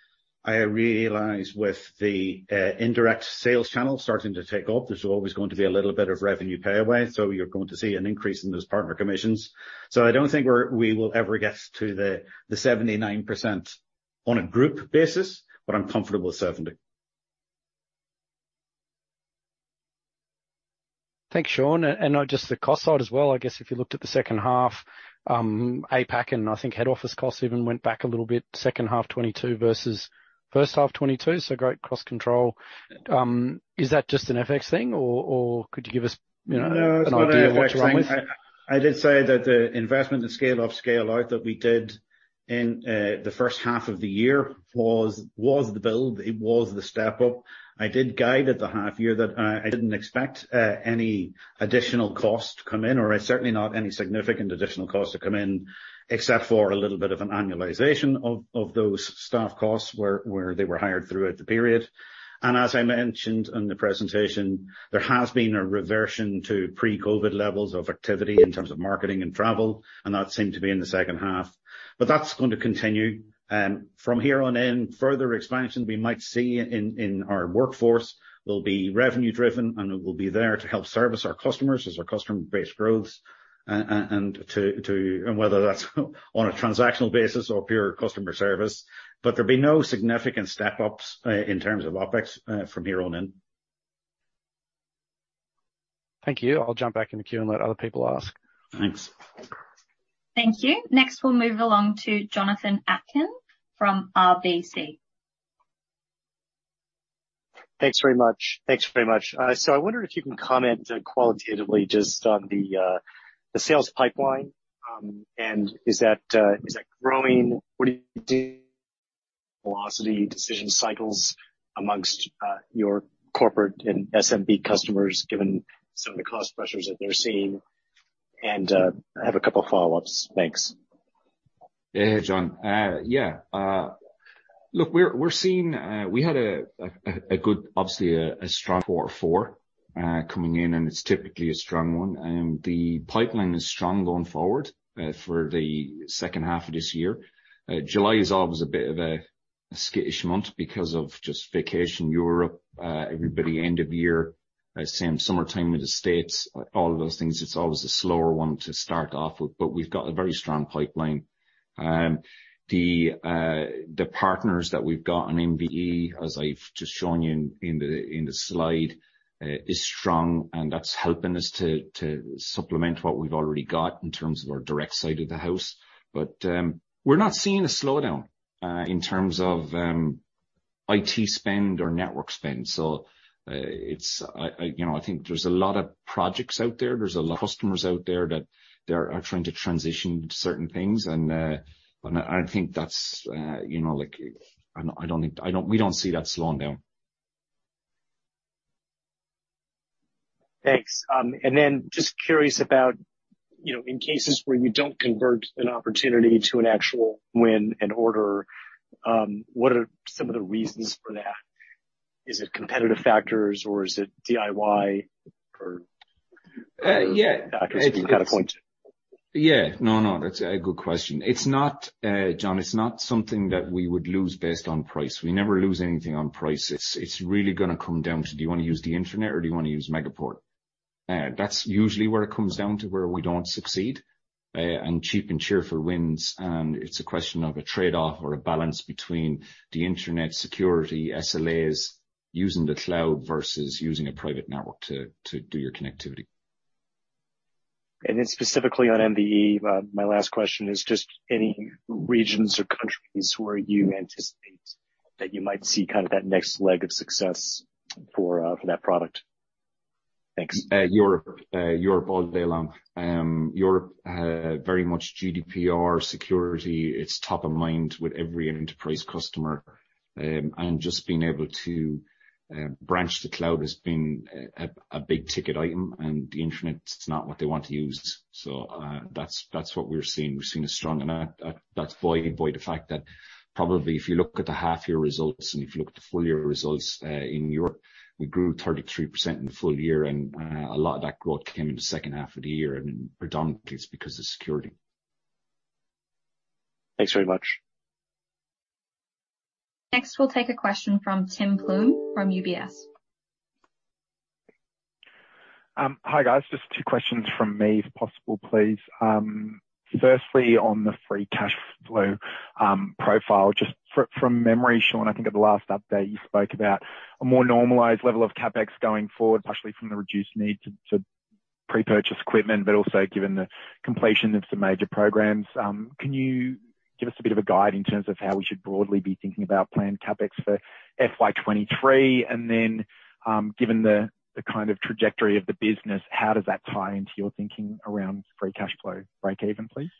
I realize with the indirect sales channel starting to take off, there's always going to be a little bit of revenue giveaway, so you're going to see an increase in those partner commissions. I don't think we will ever get to the 79% on a group basis, but I'm comfortable with 70%. Thanks, Seán. Just the cost side as well, I guess if you looked at the second half, APAC and I think head office costs even went back a little bit second half 2022 versus first half 2022, so great cost control. Is that just an FX thing or could you give us an idea to run with? No, it's not an FX thing. I did say that the investment in scale off scale out that we did in the first half of the year was the build, it was the step up. I did guide at the half year that I didn't expect any additional cost to come in, or certainly not any significant additional costs to come in, except for a little bit of an annualization of those staff costs where they were hired throughout the period. As I mentioned in the presentation, there has been a reversion to pre-COVID levels of activity in terms of marketing and travel, and that seemed to be in the second half. That's going to continue. From here on in, further expansion we might see in our workforce will be revenue driven and will be there to help service our customers as our customer base grows and whether that's on a transactional basis or pure customer service. There'll be no significant step-ups in terms of OpEx from here on in. Thank you. I'll jump back in the queue and let other people ask. Thanks. Thank you. Next, we'll move along to Jonathan Atkin from RBC. Thanks very much. I wonder if you can comment qualitatively just on the sales pipeline. Is that growing? What's the velocity of decision cycles among your corporate and SMB customers, given some of the cost pressures that they're seeing? I have a couple follow-ups. Thanks. Yeah. John. Yeah. Look, we're seeing we had a good, obviously a strong quarter four coming in, and it's typically a strong one. The pipeline is strong going forward for the second half of this year. July is always a bit of a skittish month because of just vacation, Europe, everybody end of year, same summertime in the States, all of those things. It's always a slower one to start off with, but we've got a very strong pipeline. The partners that we've got on MVE, as I've just shown you in the slide, is strong, and that's helping us to supplement what we've already got in terms of our direct side of the house. We're not seeing a slowdown in terms of IT spend or network spend. You know, I think there's a lot of projects out there. There's a lot of customers out there that they are trying to transition certain things. You know, like I don't think we don't see that slowing down. Thanks. Just curious about, you know, in cases where you don't convert an opportunity to an actual win and order, what are some of the reasons for that? Is it competitive factors or is it DIY? Yeah. factors that you can kind of point to? Yeah. No, no, that's a good question. It's not, John, it's not something that we would lose based on price. We never lose anything on price. It's really gonna come down to do you wanna use the internet or do you wanna use Megaport? That's usually where it comes down to where we don't succeed, and cheap and cheerful wins, and it's a question of a trade-off or a balance between the internet security SLAs using the cloud versus using a private network to do your connectivity. Specifically on MVE, my last question is just any regions or countries where you anticipate that you might see kind of that next leg of success for that product. Thanks. Europe. Europe all day long. Europe, very much GDPR security. It's top of mind with every enterprise customer. Just being able to branch the cloud has been a big-ticket item, and the internet is not what they want to use. That's what we're seeing. We've seen a strong and that's buoyed the fact that probably if you look at the half-year results and if you look at the full-year results, in Europe, we grew 33% in the full year and a lot of that growth came in the second half of the year and predominantly it's because of security. Thanks very much. Next, we'll take a question from Tim Plumbe from UBS. Hi guys. Just two questions from me if possible, please. Firstly on the free cash flow profile, just from memory, Seán, I think at the last update you spoke about a more normalized level of CapEx going forward, partially from the reduced need to pre-purchase equipment, but also given the completion of some major programs. Can you give us a bit of a guide in terms of how we should broadly be thinking about planned CapEx for FY 2023? Given the kind of trajectory of the business, how does that tie into your thinking around free cash flow break even, please?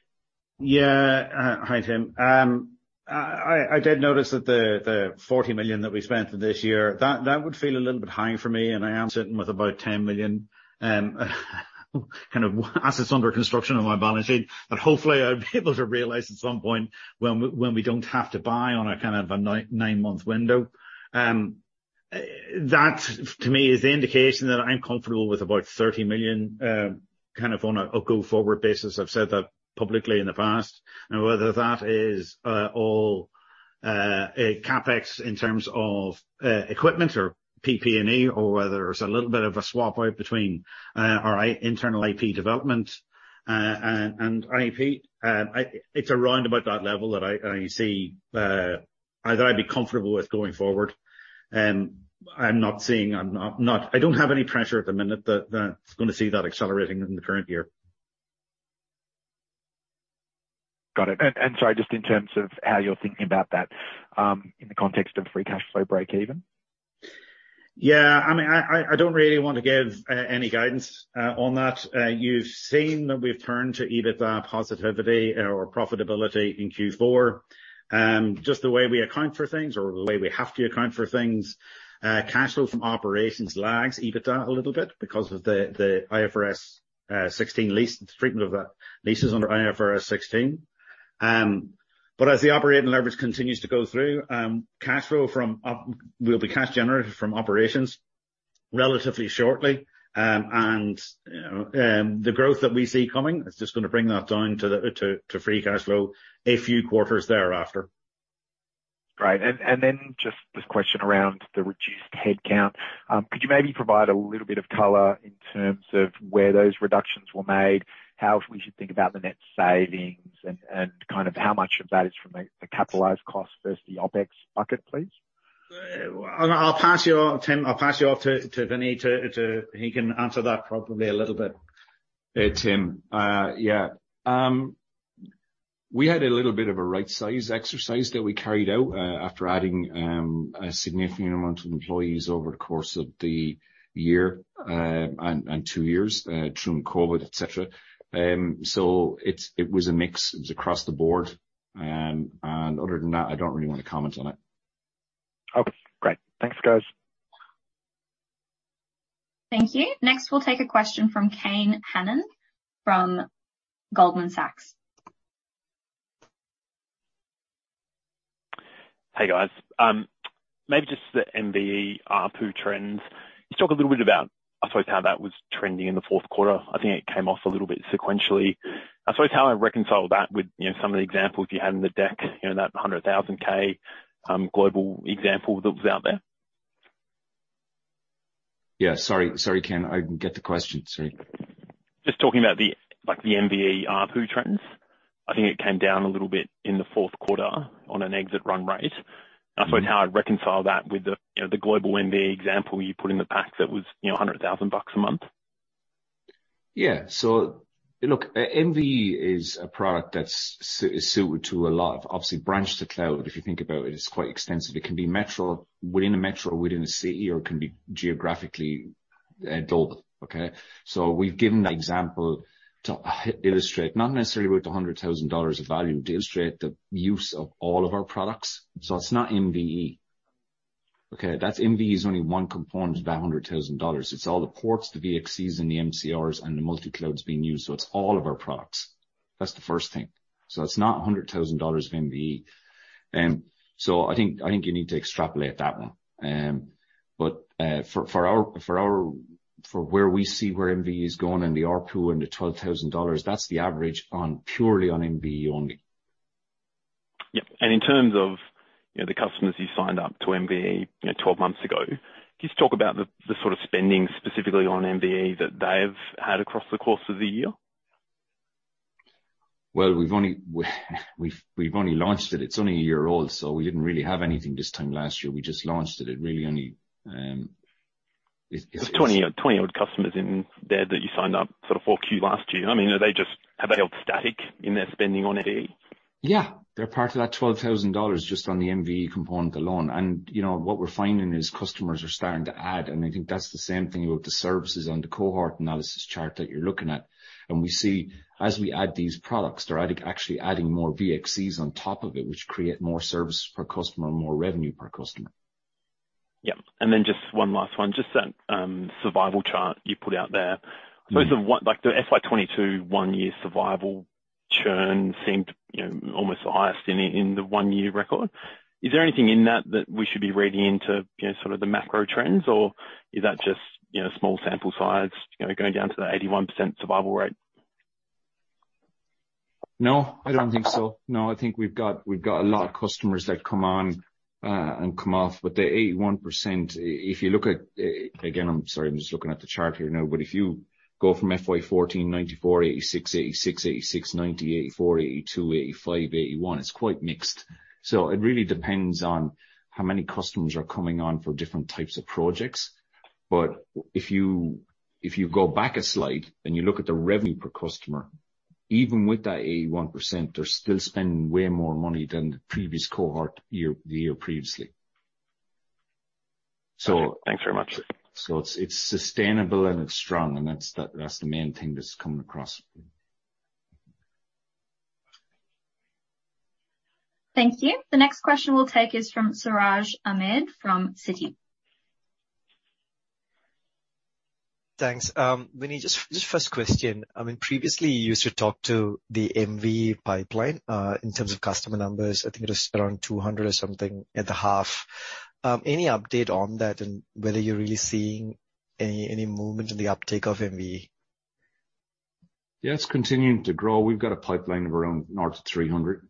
Yeah. Hi, Tim. I did notice that the 40 million that we spent this year would feel a little bit high for me, and I am sitting with about 10 million kind of assets under construction on my balance sheet that hopefully I'll be able to realize at some point when we don't have to buy on a kind of a nine-month window. That to me is the indication that I'm comfortable with about 30 million kind of on a go-forward basis. I've said that publicly in the past. Now whether that is all CapEx in terms of equipment or PP&E or whether it's a little bit of a swap out between our internal IP development and IEP, it's around about that level that I see that I'd be comfortable with going forward. I'm not seeing. I don't have any pressure at the minute. That's gonna see that accelerating in the current year. Got it. Sorry, just in terms of how you're thinking about that, in the context of free cash flow breakeven? I mean, I don't really want to give any guidance on that. You've seen that we've turned to EBITDA positivity or profitability in Q4. Just the way we account for things or the way we have to account for things, cash flow from operations lags EBITDA a little bit because of the IFRS 16 lease treatment of the leases under IFRS 16. As the operating leverage continues to go through, cash flow from operations will be cash generated from operations relatively shortly. The growth that we see coming is just gonna bring that down to the free cash flow a few quarters thereafter. Great. Then just this question around the reduced headcount, could you maybe provide a little bit of color in terms of where those reductions were made, how we should think about the net savings and kind of how much of that is from a capitalized cost versus the OpEx bucket, please? I'll pass you on, Tim. I'll pass you off to Vinny. He can answer that probably a little bit. Tim. Yeah. We had a little bit of a rightsizing exercise that we carried out after adding a significant amount of employees over the course of the year and two years through COVID, et cetera. It was a mix. It was across the board. Other than that, I don't really want to comment on it. Okay, great. Thanks, guys. Thank you. Next, we'll take a question from Kane Hannan from Goldman Sachs. Hey, guys. Maybe just the MVE, ARPU trends. You talk a little bit about, I suppose how that was trending in the fourth quarter. I think it came off a little bit sequentially. I suppose how I reconcile that with, you know, some of the examples you had in the deck, you know, that 100K global example that was out there. Yeah. Sorry, Kane. I didn't get the question. Sorry. Just talking about the, like, the MVE ARPU trends. I think it came down a little bit in the fourth quarter on an exit run rate. I suppose how I'd reconcile that with the, you know, the global MVE example you put in the pack that was, you know, $100,000 a month. Yeah. Look, MVE is a product that's suited to a lot of obviously branch to cloud. If you think about it's quite extensive. It can be metro, within a metro, within a city, or it can be geographically dual. Okay? We've given that example to illustrate, not necessarily with the $100,000 of value, to illustrate the use of all of our products. It's not MVE. Okay? That's MVE is only one component of that $100,000. It's all the ports, the VXCs and the MCRs and the multi-clouds being used, so it's all of our products. That's the first thing. It's not a $100,000 of MVE. I think you need to extrapolate that one. But for our, for our. for where we see MVE is going and the ARPU and the $12,000, that's the average purely on MVE only. Yeah. In terms of, you know, the customers you signed up to MVE, you know, 12 months ago, can you just talk about the sort of spending specifically on MVE that they've had across the course of the year? Well, we've only launched it. It's only a year old, so we didn't really have anything this time last year. We just launched it. There's 20-odd customers in there that you signed up sort of 4Q last year. I mean, are they just have they held static in their spending on MVE? Yeah. They're part of that 12,000 dollars just on the MVE component alone. You know what we're finding is customers are starting to add, and I think that's the same thing with the services on the cohort analysis chart that you're looking at. We see as we add these products, they're adding, actually adding more VXCs on top of it, which create more services per customer, more revenue per customer. Yeah. Just one last one, just that survival chart you put out there. Mm. Most of them like the FY 2022 one-year survival churn seemed, you know, almost the highest in the one-year record. Is there anything in that that we should be reading into, you know, sort of the macro trends or is that just, you know, small sample size, you know, going down to the 81% survival rate? No, I don't think so. No, I think we've got a lot of customers that come on and come off. The 81%, if you look at, again, I'm sorry, I'm just looking at the chart here now, but if you go from FY 2014, 94%, 86%, 86%, 86%, 90%, 84%, 82%, 85%, 81%, it's quite mixed. It really depends on how many customers are coming on for different types of projects. If you go back a slide and you look at the revenue per customer, even with that 81%, they're still spending way more money than the previous Cohort year, the year previously. So Thanks very much. It's sustainable and it's strong and that's the main thing that's coming across. Thank you. The next question we'll take is from Siraj Ahmed from Citi. Thanks. Vinny, just first question. I mean, previously you used to talk to the MVE pipeline in terms of customer numbers. I think it was around 200 or something at the half. Any update on that and whether you're really seeing any movement in the uptake of MVE? Yeah, it's continuing to grow. We've got a pipeline of around north of 300.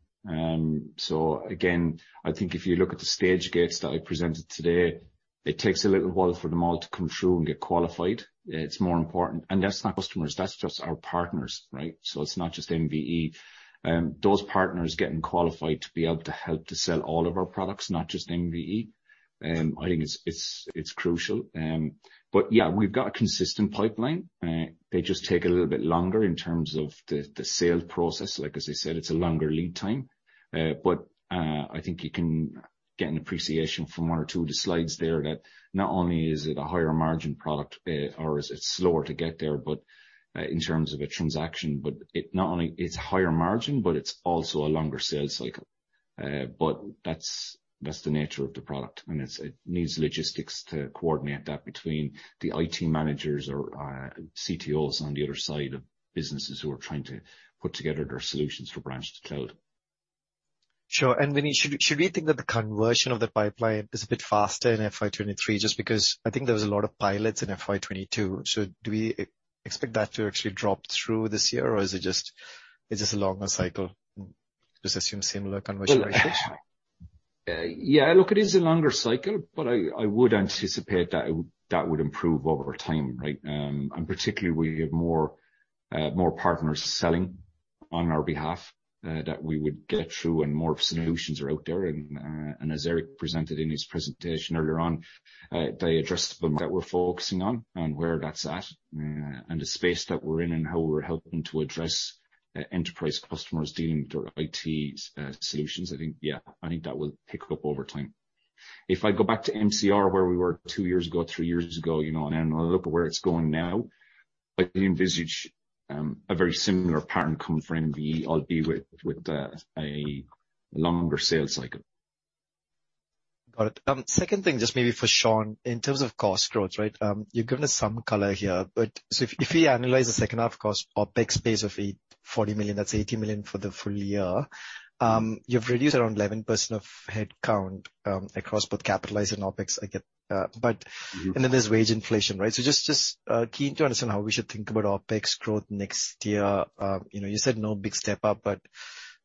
So again, I think if you look at the stage gates that I presented today, it takes a little while for them all to come through and get qualified. It's more important. That's not customers, that's just our partners, right? So it's not just MVE. Those partners getting qualified to be able to help to sell all of our products, not just MVE, I think it's crucial. But yeah, we've got a consistent pipeline. They just take a little bit longer in terms of the sales process. Like as I said, it's a longer lead time. I think you can get an appreciation from one or two of the slides there that not only is it a higher margin product, but it is slower to get there in terms of a transaction. It not only is it higher margin, but it's also a longer sales cycle. That's the nature of the product, and it needs logistics to coordinate that between the IT managers or CTOs on the other side of businesses who are trying to put together their solutions for branch to cloud. Sure. Vinny, should we think that the conversion of the pipeline is a bit faster in FY 2023 just because I think there was a lot of pilots in FY 2022. Do we expect that to actually drop through this year or is it just a longer cycle? Just assume similar conversion ratios. Well, yeah, look, it is a longer cycle, but I would anticipate that it would improve over time, right? Particularly we have more partners selling on our behalf that we would get through and more solutions are out there and as Eric presented in his presentation earlier on, they addressed them that we're focusing on where that's at, and the space that we're in and how we're helping to address enterprise customers dealing with their IT solutions. I think that will pick up over time. If I go back to MCR, where we were two years ago, three years ago, you know, and I look at where it's going now, I can envisage a very similar pattern come from MVE, albeit with a longer sales cycle. Got it. Second thing, just maybe for Seán. In terms of cost growth, right? You've given us some color here, but if we analyze the second half cost OpEx base of 40 million, that's 80 million for the full year. You've reduced around 11% of headcount across both CapEx and OpEx. I get, but There's wage inflation, right? So just keen to understand how we should think about OpEx growth next year. You know, you said no big step up, but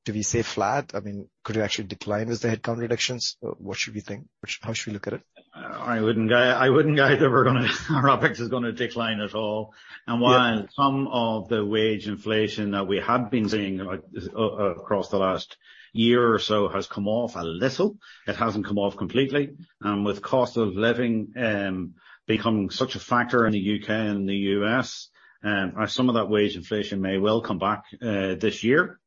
do we say flat? I mean, could it actually decline as the headcount reductions? What should we think? How should we look at it? I wouldn't guide that our OpEx is gonna decline at all. While some of the wage inflation that we have been seeing like, across the last year or so has come off a little, it hasn't come off completely, with cost of living, becoming such a factor in the U.K. and the U.S., some of that wage inflation may well come back, this year.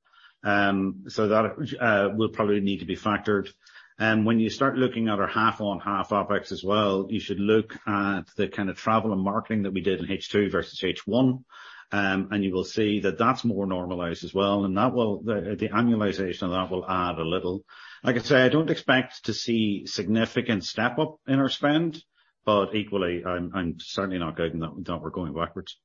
So that will probably need to be factored. When you start looking at our half-on-half OpEx as well, you should look at the kind of travel and marketing that we did in H2 versus H1, and you will see that that's more normalized as well, and that the annualization of that will add a little. Like I say, I don't expect to see significant step up in our spend, but equally, I'm certainly not guiding that we're going backwards.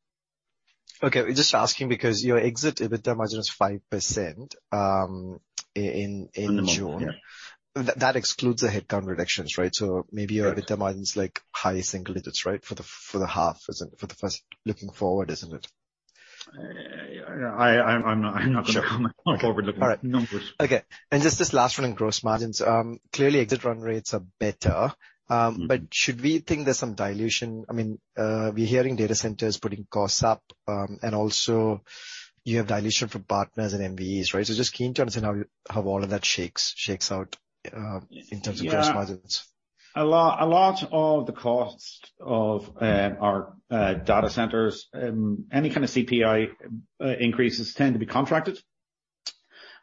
Okay. We're just asking because your exit EBITDA margin is 5%, in June. Yeah. That excludes the headcount reductions, right? Your EBITDA margin is like high single digits%, right? For the first half looking forward, isn't it? I'm not gonna comment. Sure. On forward-looking numbers. All right. Okay. Just this last one on gross margins. Clearly exit run rates are better. Should we think there's some dilution? I mean, we're hearing data centers putting costs up, and also you have dilution from partners and MVEs, right? Just keen to understand how all of that shakes out in terms of gross margins. Yeah. A lot of the costs of our data centers, any kind of CPI increases tend to be contracted,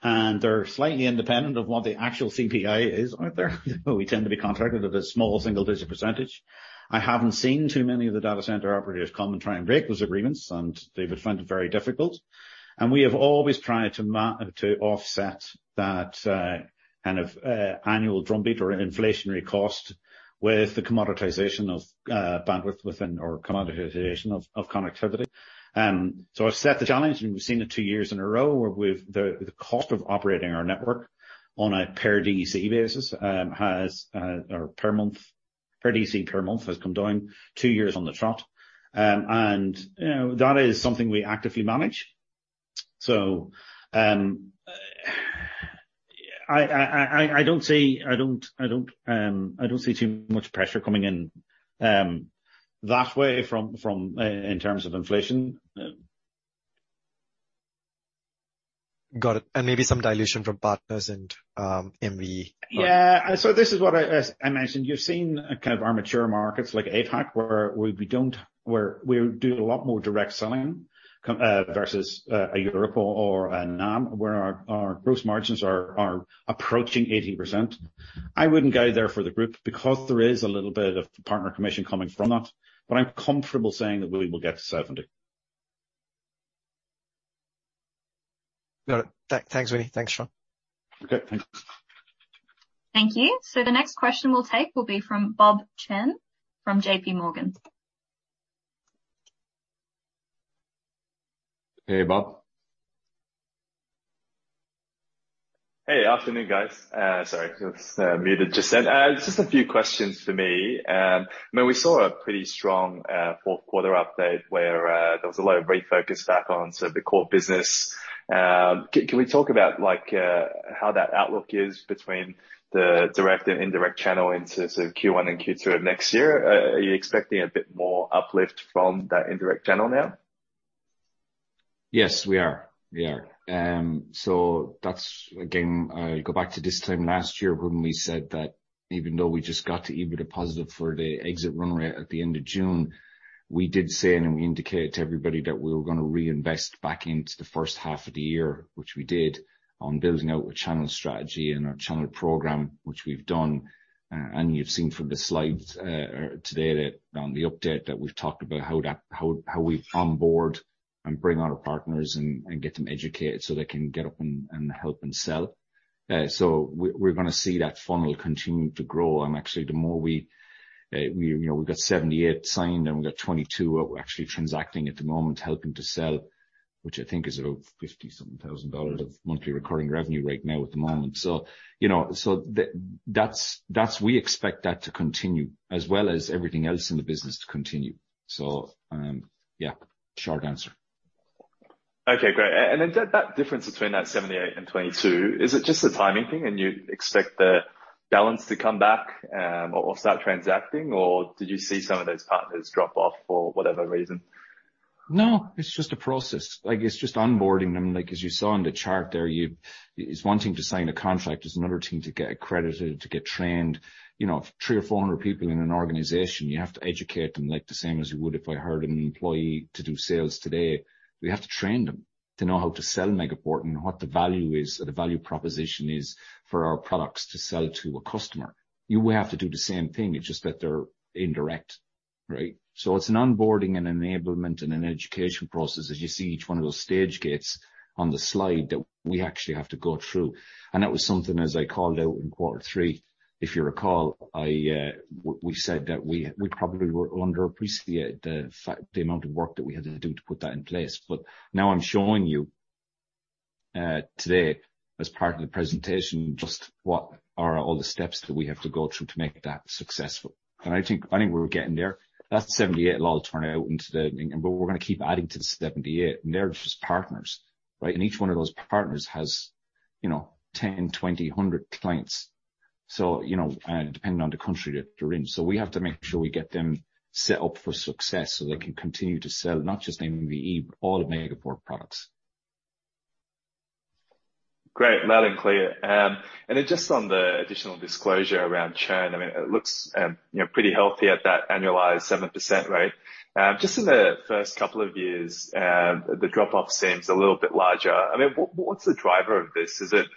and they're slightly independent of what the actual CPI is out there. We tend to be contracted at a small single-digit percentage. I haven't seen too many of the data center operators come and try and break those agreements, and they would find it very difficult. We have always tried to offset that kind of annual drumbeat or inflationary cost with the commoditization of bandwidth within or commoditization of connectivity. So I've set the challenge, and we've seen it two years in a row with the cost of operating our network on a per DC basis, or per month, per DC per month has come down two years on the trot. That is something we actively manage. I don't see too much pressure coming in that way from, in terms of inflation. Got it. Maybe some dilution from partners and MVE. Yeah. As I mentioned, you've seen kind of our mature markets like APAC where we do a lot more direct selling versus in Europe or in NAM where our gross margins are approaching 80%. I wouldn't go there for the group because there is a little bit of partner commission coming from that, but I'm comfortable saying that we will get to 70%. Got it. Thanks, Vinny. Thanks, Seán. Okay. Thanks. Thank you. The next question we'll take will be from Bob Chen from J.P. Morgan. Hey, Bob. Hey, afternoon guys. Sorry, I was muted just then. Just a few questions for me. I mean, we saw a pretty strong fourth quarter update where there was a lot of refocus back on to the core business. Can we talk about like how that outlook is between the direct and indirect channel into sort of Q1 and Q2 of next year? Are you expecting a bit more uplift from that indirect channel now? Yes, we are. That's, again, I go back to this time last year when we said that even though we just got to EBITDA positive for the exit run rate at the end of June, we did say and we indicated to everybody that we were gonna reinvest back into the first half of the year, which we did, on building out our channel strategy and our channel program, which we've done. You've seen from the slides today. That's on the update that we've talked about how we onboard and bring on our partners and get them educated so they can get up and help them sell. We're gonna see that funnel continue to grow. Actually the more we, you know, we've got 78 signed, and we've got 22 who are actually transacting at the moment, helping to sell, which I think is about 57 thousand dollars of monthly recurring revenue right now at the moment. That's, we expect that to continue as well as everything else in the business to continue. Yeah, short answer. Okay, great. That difference between that 78 and 22, is it just a timing thing and you'd expect the balance to come back, or start transacting? Or did you see some of those partners drop off for whatever reason? No, it's just a process. Like, it's just onboarding them. Like, as you saw in the chart there, it's one thing to sign a contract, it's another thing to get accredited, to get trained. You know, if 300-400 people in an organization, you have to educate them like the same as you would if I hired an employee to do sales today. We have to train them to know how to sell Megaport and what the value is, or the value proposition is for our products to sell to a customer. You have to do the same thing, it's just that they're indirect, right? It's an onboarding, an enablement, and an education process, as you see each one of those stage gates on the slide that we actually have to go through. That was something, as I called out in quarter three, if you recall, we said that we probably underestimated the fact—the amount of work that we had to do to put that in place. Now I'm showing you today as part of the presentation, just what are all the steps that we have to go through to make that successful. I think we're getting there. That 78 will all turn out into the. We're gonna keep adding to the 78, and they're just partners, right? Each one of those partners has, you know, 10, 20, 100 clients, so you know, depending on the country that they're in. We have to make sure we get them set up for success so they can continue to sell not just MVE, but all Megaport products. Great, loud and clear. Just on the additional disclosure around churn, I mean, it looks, you know, pretty healthy at that annualized 7% rate. Just in the first couple of years, the drop-off seems a little bit larger. I mean, what's the driver of this? Is it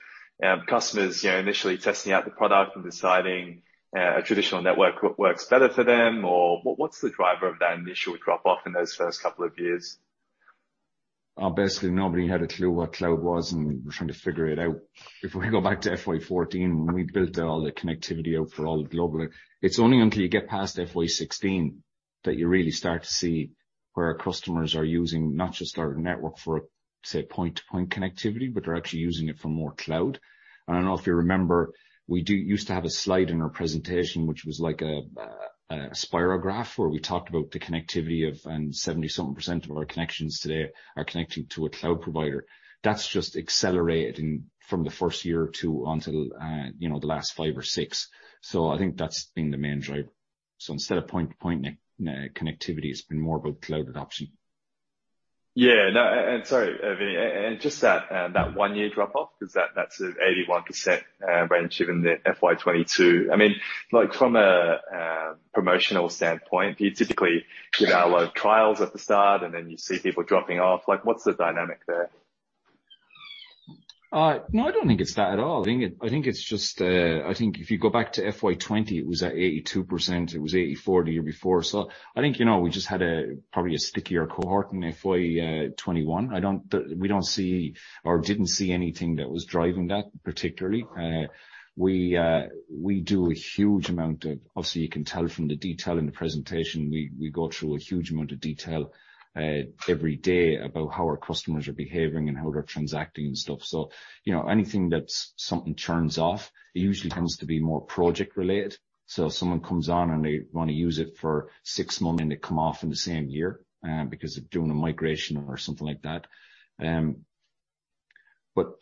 customers, you know, initially testing out the product and deciding a traditional network works better for them? Or what's the driver of that initial drop-off in those first couple of years? Basically nobody had a clue what cloud was, and we're trying to figure it out. If we go back to FY 2014 when we built all the connectivity out for all the global, it's only until you get past FY 2016 that you really start to see where our customers are using not just our network for, say, point-to-point connectivity, but they're actually using it for more cloud. I don't know if you remember, we used to have a slide in our presentation, which was like a spirograph, where we talked about the connectivity of, and 70-something% of our connections today are connecting to a cloud provider. That's just accelerated in from the first year or two until, you know, the last five or six. I think that's been the main driver. Instead of point-to-point connectivity, it's been more about cloud adoption. Yeah. No, sorry, Vinny. Just that one-year drop-off, 'cause that's an 81% range even in the FY 2022. I mean, like, from a promotional standpoint, do you typically give out a lot of trials at the start and then you see people dropping off? Like, what's the dynamic there? No, I don't think it's that at all. I think it's just if you go back to FY 2020, it was at 82%, it was 84% the year before. I think, you know, we just had probably a stickier cohort in FY 2021. We don't see or didn't see anything that was driving that particularly. We do a huge amount of detail. Obviously you can tell from the detail in the presentation, we go through a huge amount of detail every day about how our customers are behaving and how they're transacting and stuff. You know, anything that turns off, it usually tends to be more project-related. If someone comes on and they wanna use it for six months and they come off in the same year, because they're doing a migration or something like that. You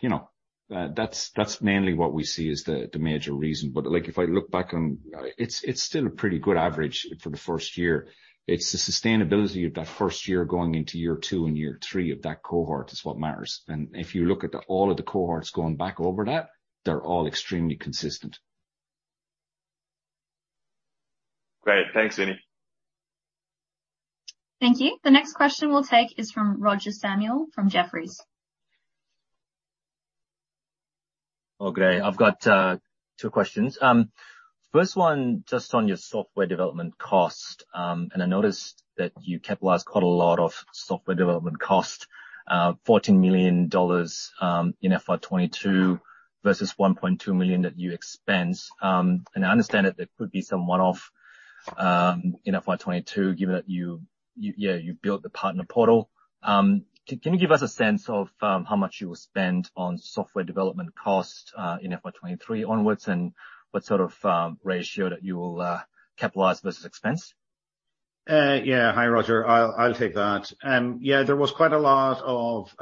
know, that's mainly what we see as the major reason. Like, if I look back on. It's still a pretty good average for the first year. It's the sustainability of that first year going into year two and year three of that cohort is what matters. If you look at all of the cohorts going back over that, they're all extremely consistent. Great. Thanks, Vinny. Thank you. The next question we'll take is from Roger Samuel, from Jefferies. Okay. I've got two questions. First one, just on your software development cost. I noticed that you capitalized quite a lot of software development cost, 14 million dollars, in FY 2022 versus 1.2 million that you expensed. I understand that there could be some one-off in FY 2022, given that you built the partner portal. Can you give us a sense of how much you will spend on software development cost in FY 2023 onwards, and what sort of ratio that you will capitalize versus expense? Yeah. Hi, Roger. I'll take that. Yeah, there was quite a lot of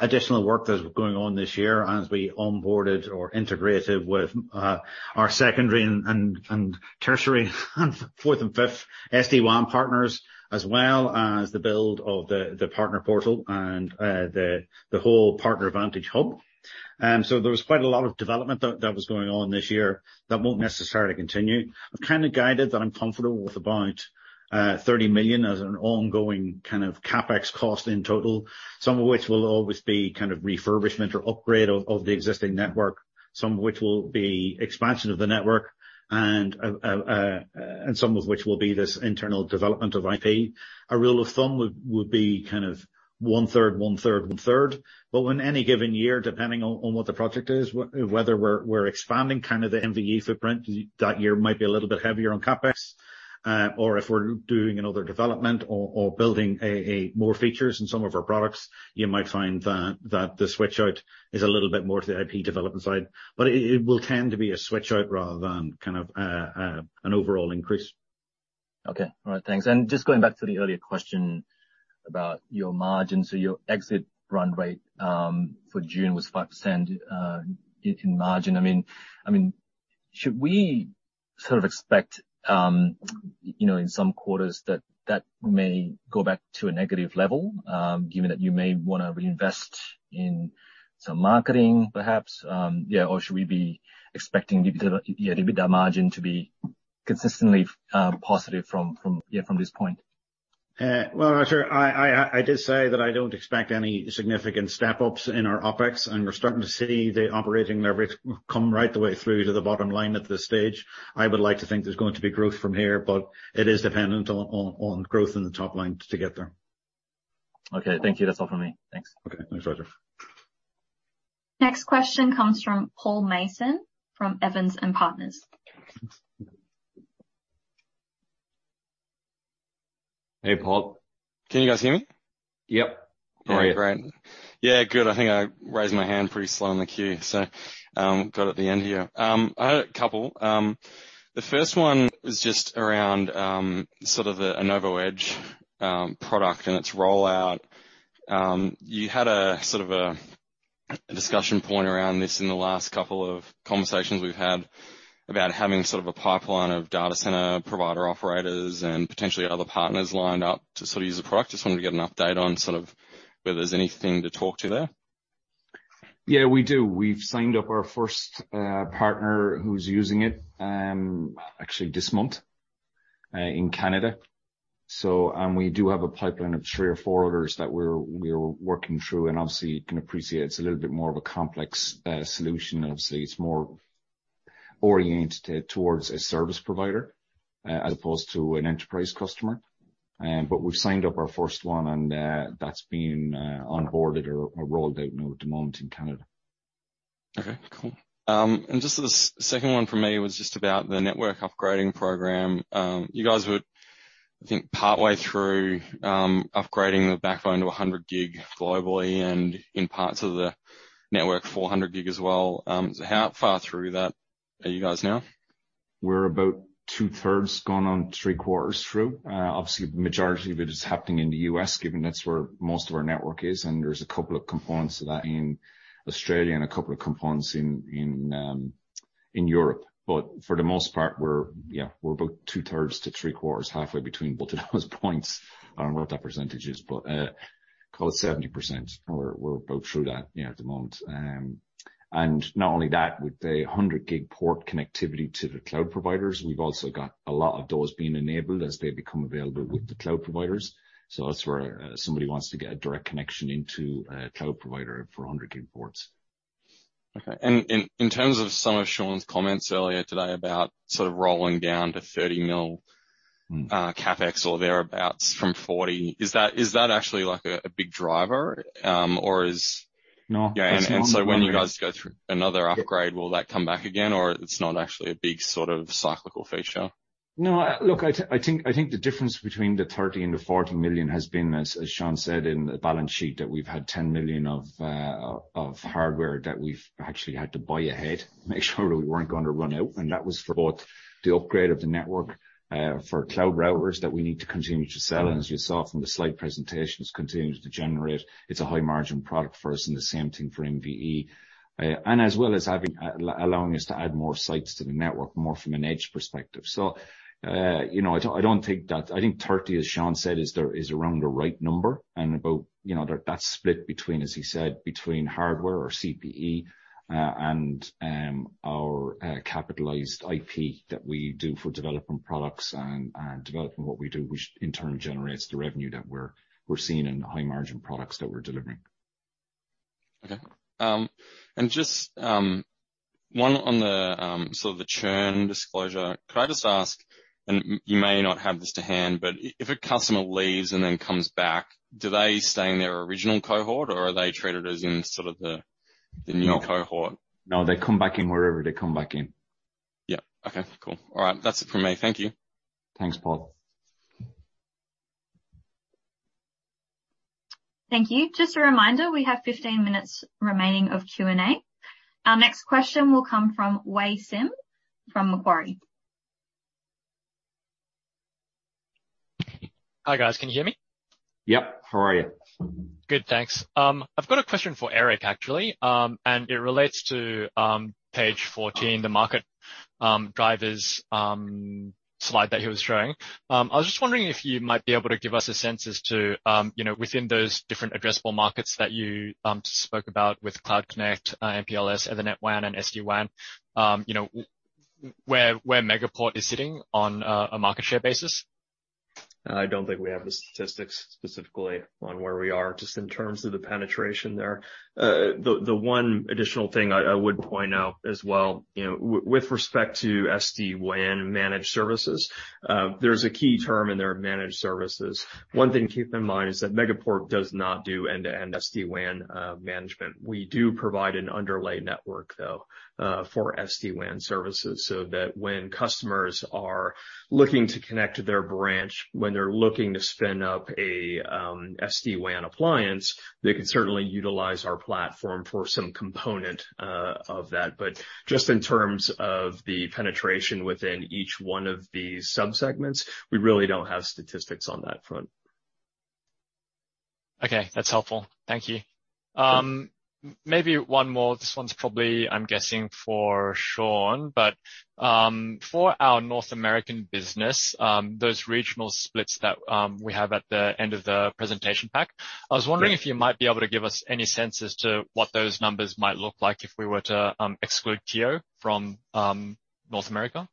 additional work that was going on this year as we onboarded or integrated with our secondary and tertiary and fourth and fifth SD-WAN partners, as well as the build of the partner portal and the whole PartnerVantage Hub. There was quite a lot of development that was going on this year that won't necessarily continue. I've kind of guided that I'm comfortable with about 30 million as an ongoing kind of CapEx cost in total, some of which will always be kind of refurbishment or upgrade of the existing network, some of which will be expansion of the network and some of which will be this internal development of IP. A rule of thumb would be kind of one-third, one-third, one-third. When any given year, depending on what the project is, whether we're expanding kind of the MVE footprint, that year might be a little bit heavier on CapEx. Or if we're doing another development or building a more features in some of our products, you might find that the switch out is a little bit more to the IP development side. It will tend to be a switch out rather than kind of an overall increase. Okay. All right. Thanks. Just going back to the earlier question about your margins or your exit run rate for June was 5% in margin. I mean, should we sort of expect you know in some quarters that may go back to a negative level given that you may wanna reinvest in some marketing perhaps yeah. Or should we be expecting the yeah EBITDA margin to be consistently positive from this point? Well, Roger, I did say that I don't expect any significant step-ups in our OpEx, and we're starting to see the operating leverage come right the way through to the bottom line at this stage. I would like to think there's going to be growth from here, but it is dependent on growth in the top line to get there. Okay. Thank you. That's all for me. Thanks. Okay. Thanks, Roger. Next question comes from Paul Mason from Evans and Partners. Hey, Paul. Can you guys hear me? Yep. How are you? All right. Great. Yeah, good. I think I raised my hand pretty slow on the queue, so, got at the end here. I had a couple. The first one was just around, sort of the Anova Edge product and its rollout. You had a sort of a discussion point around this in the last couple of conversations we've had about having sort of a pipeline of data center provider operators and potentially other partners lined up to sort of use the product. Just wanted to get an update on sort of whether there's anything to talk to there. Yeah, we do. We've signed up our first partner who's using it, actually this month, in Canada. We do have a pipeline of three or four others that we're working through, and obviously you can appreciate it's a little bit more of a complex solution. Obviously, it's more oriented towards a service provider as opposed to an enterprise customer. We've signed up our first one and that's been onboarded or rolled out at the moment in Canada. Okay, cool. Just the second one for me was just about the network upgrading program. You guys were, I think, partway through upgrading the backbone to 100 Gig globally and in parts of the network, 400 Gig as well. How far through that are you guys now? We're about two-thirds gone or three-quarters through. Obviously the majority of it is happening in the U.S., given that's where most of our network is, and there's a couple of components of that in Australia and a couple of components in Europe. For the most part, we're about two-thirds to three-quarters, halfway between both of those points. I don't know what that percentage is, but call it 70%. We're about through that at the moment. Not only that, with the 100 Gig port connectivity to the cloud providers, we've also got a lot of those being enabled as they become available with the cloud providers. That's where somebody wants to get a direct connection into a cloud provider for 100 Gig ports. Okay. In terms of some of Seán's comments earlier today about sort of rolling down to 30 million CapEx or thereabouts from 40 million, is that actually like a big driver? Or is. No, it's not. Yeah, when you guys go through another upgrade, will that come back again, or it's not actually a big sort of cyclical feature? No. Look, I think the difference between 30 million and the 40 million has been, as Seán said in the balance sheet, that we've had 10 million of hardware that we've actually had to buy ahead, make sure we weren't gonna run out, and that was for both the upgrade of the network for cloud routers that we need to continue to sell, and as you saw from the slide presentations, continuing to generate. It's a high-margin product for us and the same thing for MVE, and as well as allowing us to add more sites to the network, more from an edge perspective. I don't think that. I think 30, as Seán said, is around the right number and about, you know, that's split between, as he said, between hardware or CPE, and our capitalized IP that we do for development products and developing what we do, which in turn generates the revenue that we're seeing in the high-margin products that we're delivering. Just one on the sort of the churn disclosure. Could I just ask, you may not have this to hand, but if a customer leaves and then comes back, do they stay in their original cohort or are they treated as in sort of the new Cohort? No. No, they come back in wherever they come back in. Yeah. Okay, cool. All right. That's it for me. Thank you. Thanks, Paul. Thank you. Just a reminder, we have 15 minutes remaining of Q&A. Our next question will come from Wei Sim, from Macquarie. Hi, guys. Can you hear me? Yep. How are you? Good, thanks. I've got a question for Eric, actually, and it relates to page 14, the market drivers slide that he was showing. I was just wondering if you might be able to give us a sense as to, you know, within those different addressable markets that you spoke about with Cloud Connect, MPLS, Ethernet WAN and SD-WAN, you know, where Megaport is sitting on a market share basis. I don't think we have the statistics specifically on where we are just in terms of the penetration there. The one additional thing I would point out as well, you know, with respect to SD-WAN managed services, there's a key term in there, managed services. One thing to keep in mind is that Megaport does not do end-to-end SD-WAN management. We do provide an underlay network though, for SD-WAN services, so that when customers are looking to connect to their branch, when they're looking to spin up a SD-WAN appliance, they can certainly utilize our platform for some component of that. But just in terms of the penetration within each one of these sub-segments, we really don't have statistics on that front. Okay, that's helpful. Thank you. Maybe one more. This one's probably, I'm guessing, for Seán, but, for our North American business, those regional splits that we have at the end of the presentation pack. I was wondering if you might be able to give us any sense as to what those numbers might look like if we were to exclude KIO from North America.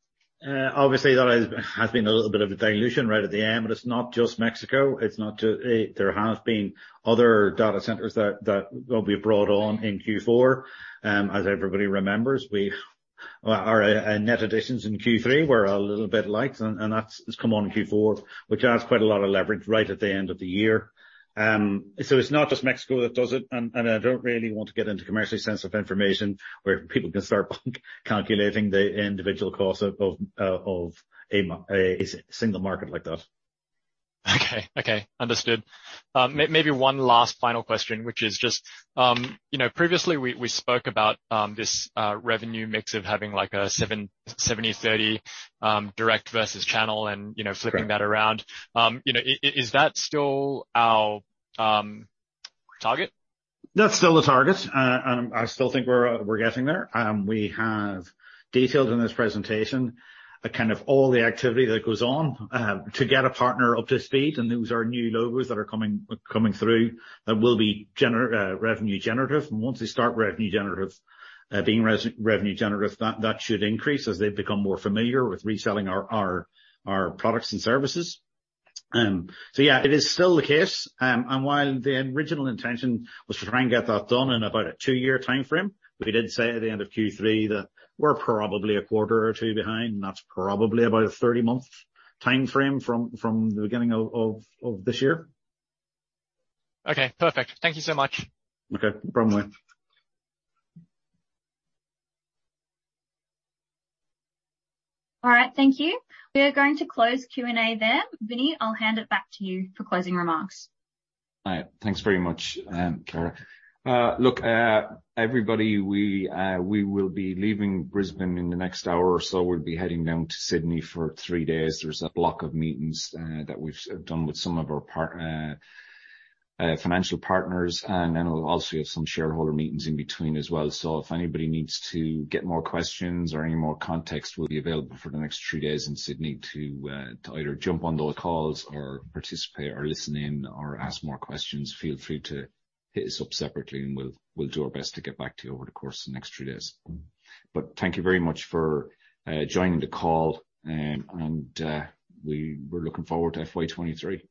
Obviously that has been a little bit of a dilution right at the end, but it's not just Mexico. It's not just there have been other data centers that will be brought on in Q4. As everybody remembers, our net additions in Q3 were a little bit light and that's just come on in Q4, which adds quite a lot of leverage right at the end of the year. So it's not just Mexico that does it and I don't really want to get into commercially sensitive information where people can start calculating the individual cost of a single market like that. Okay. Understood. Maybe one last final question, which is just, you know, previously we spoke about this revenue mix of having like a 70/30 direct versus channel and, you know, flipping that around. Is that still our target? That's still the target. I still think we're getting there. We have detailed in this presentation kind of all the activity that goes on to get a partner up to speed, and those are new logos that are coming through that will be revenue generative. Once they start revenue generative, that should increase as they become more familiar with reselling our products and services. Yeah, it is still the case. While the original intention was to try and get that done in about a two-year timeframe, we did say at the end of Q3 that we're probably a quarter or two behind, and that's probably about a 30-month timeframe from the beginning of this year. Okay, perfect. Thank you so much. Okay. No problem, mate. All right. Thank you. We are going to close Q&A then. Vinny, I'll hand it back to you for closing remarks. All right. Thanks very much, Kiara. Look, everybody, we will be leaving Brisbane in the next hour or so. We'll be heading down to Sydney for three days. There's a block of meetings that I've done with some of our financial partners, and then we'll also have some shareholder meetings in between as well. If anybody needs to get more questions or any more context, we'll be available for the next three days in Sydney to either jump on those calls or participate or listen in or ask more questions. Feel free to hit us up separately, and we'll do our best to get back to you over the course of the next three days. Thank you very much for joining the call, and we're looking forward to FY 2023.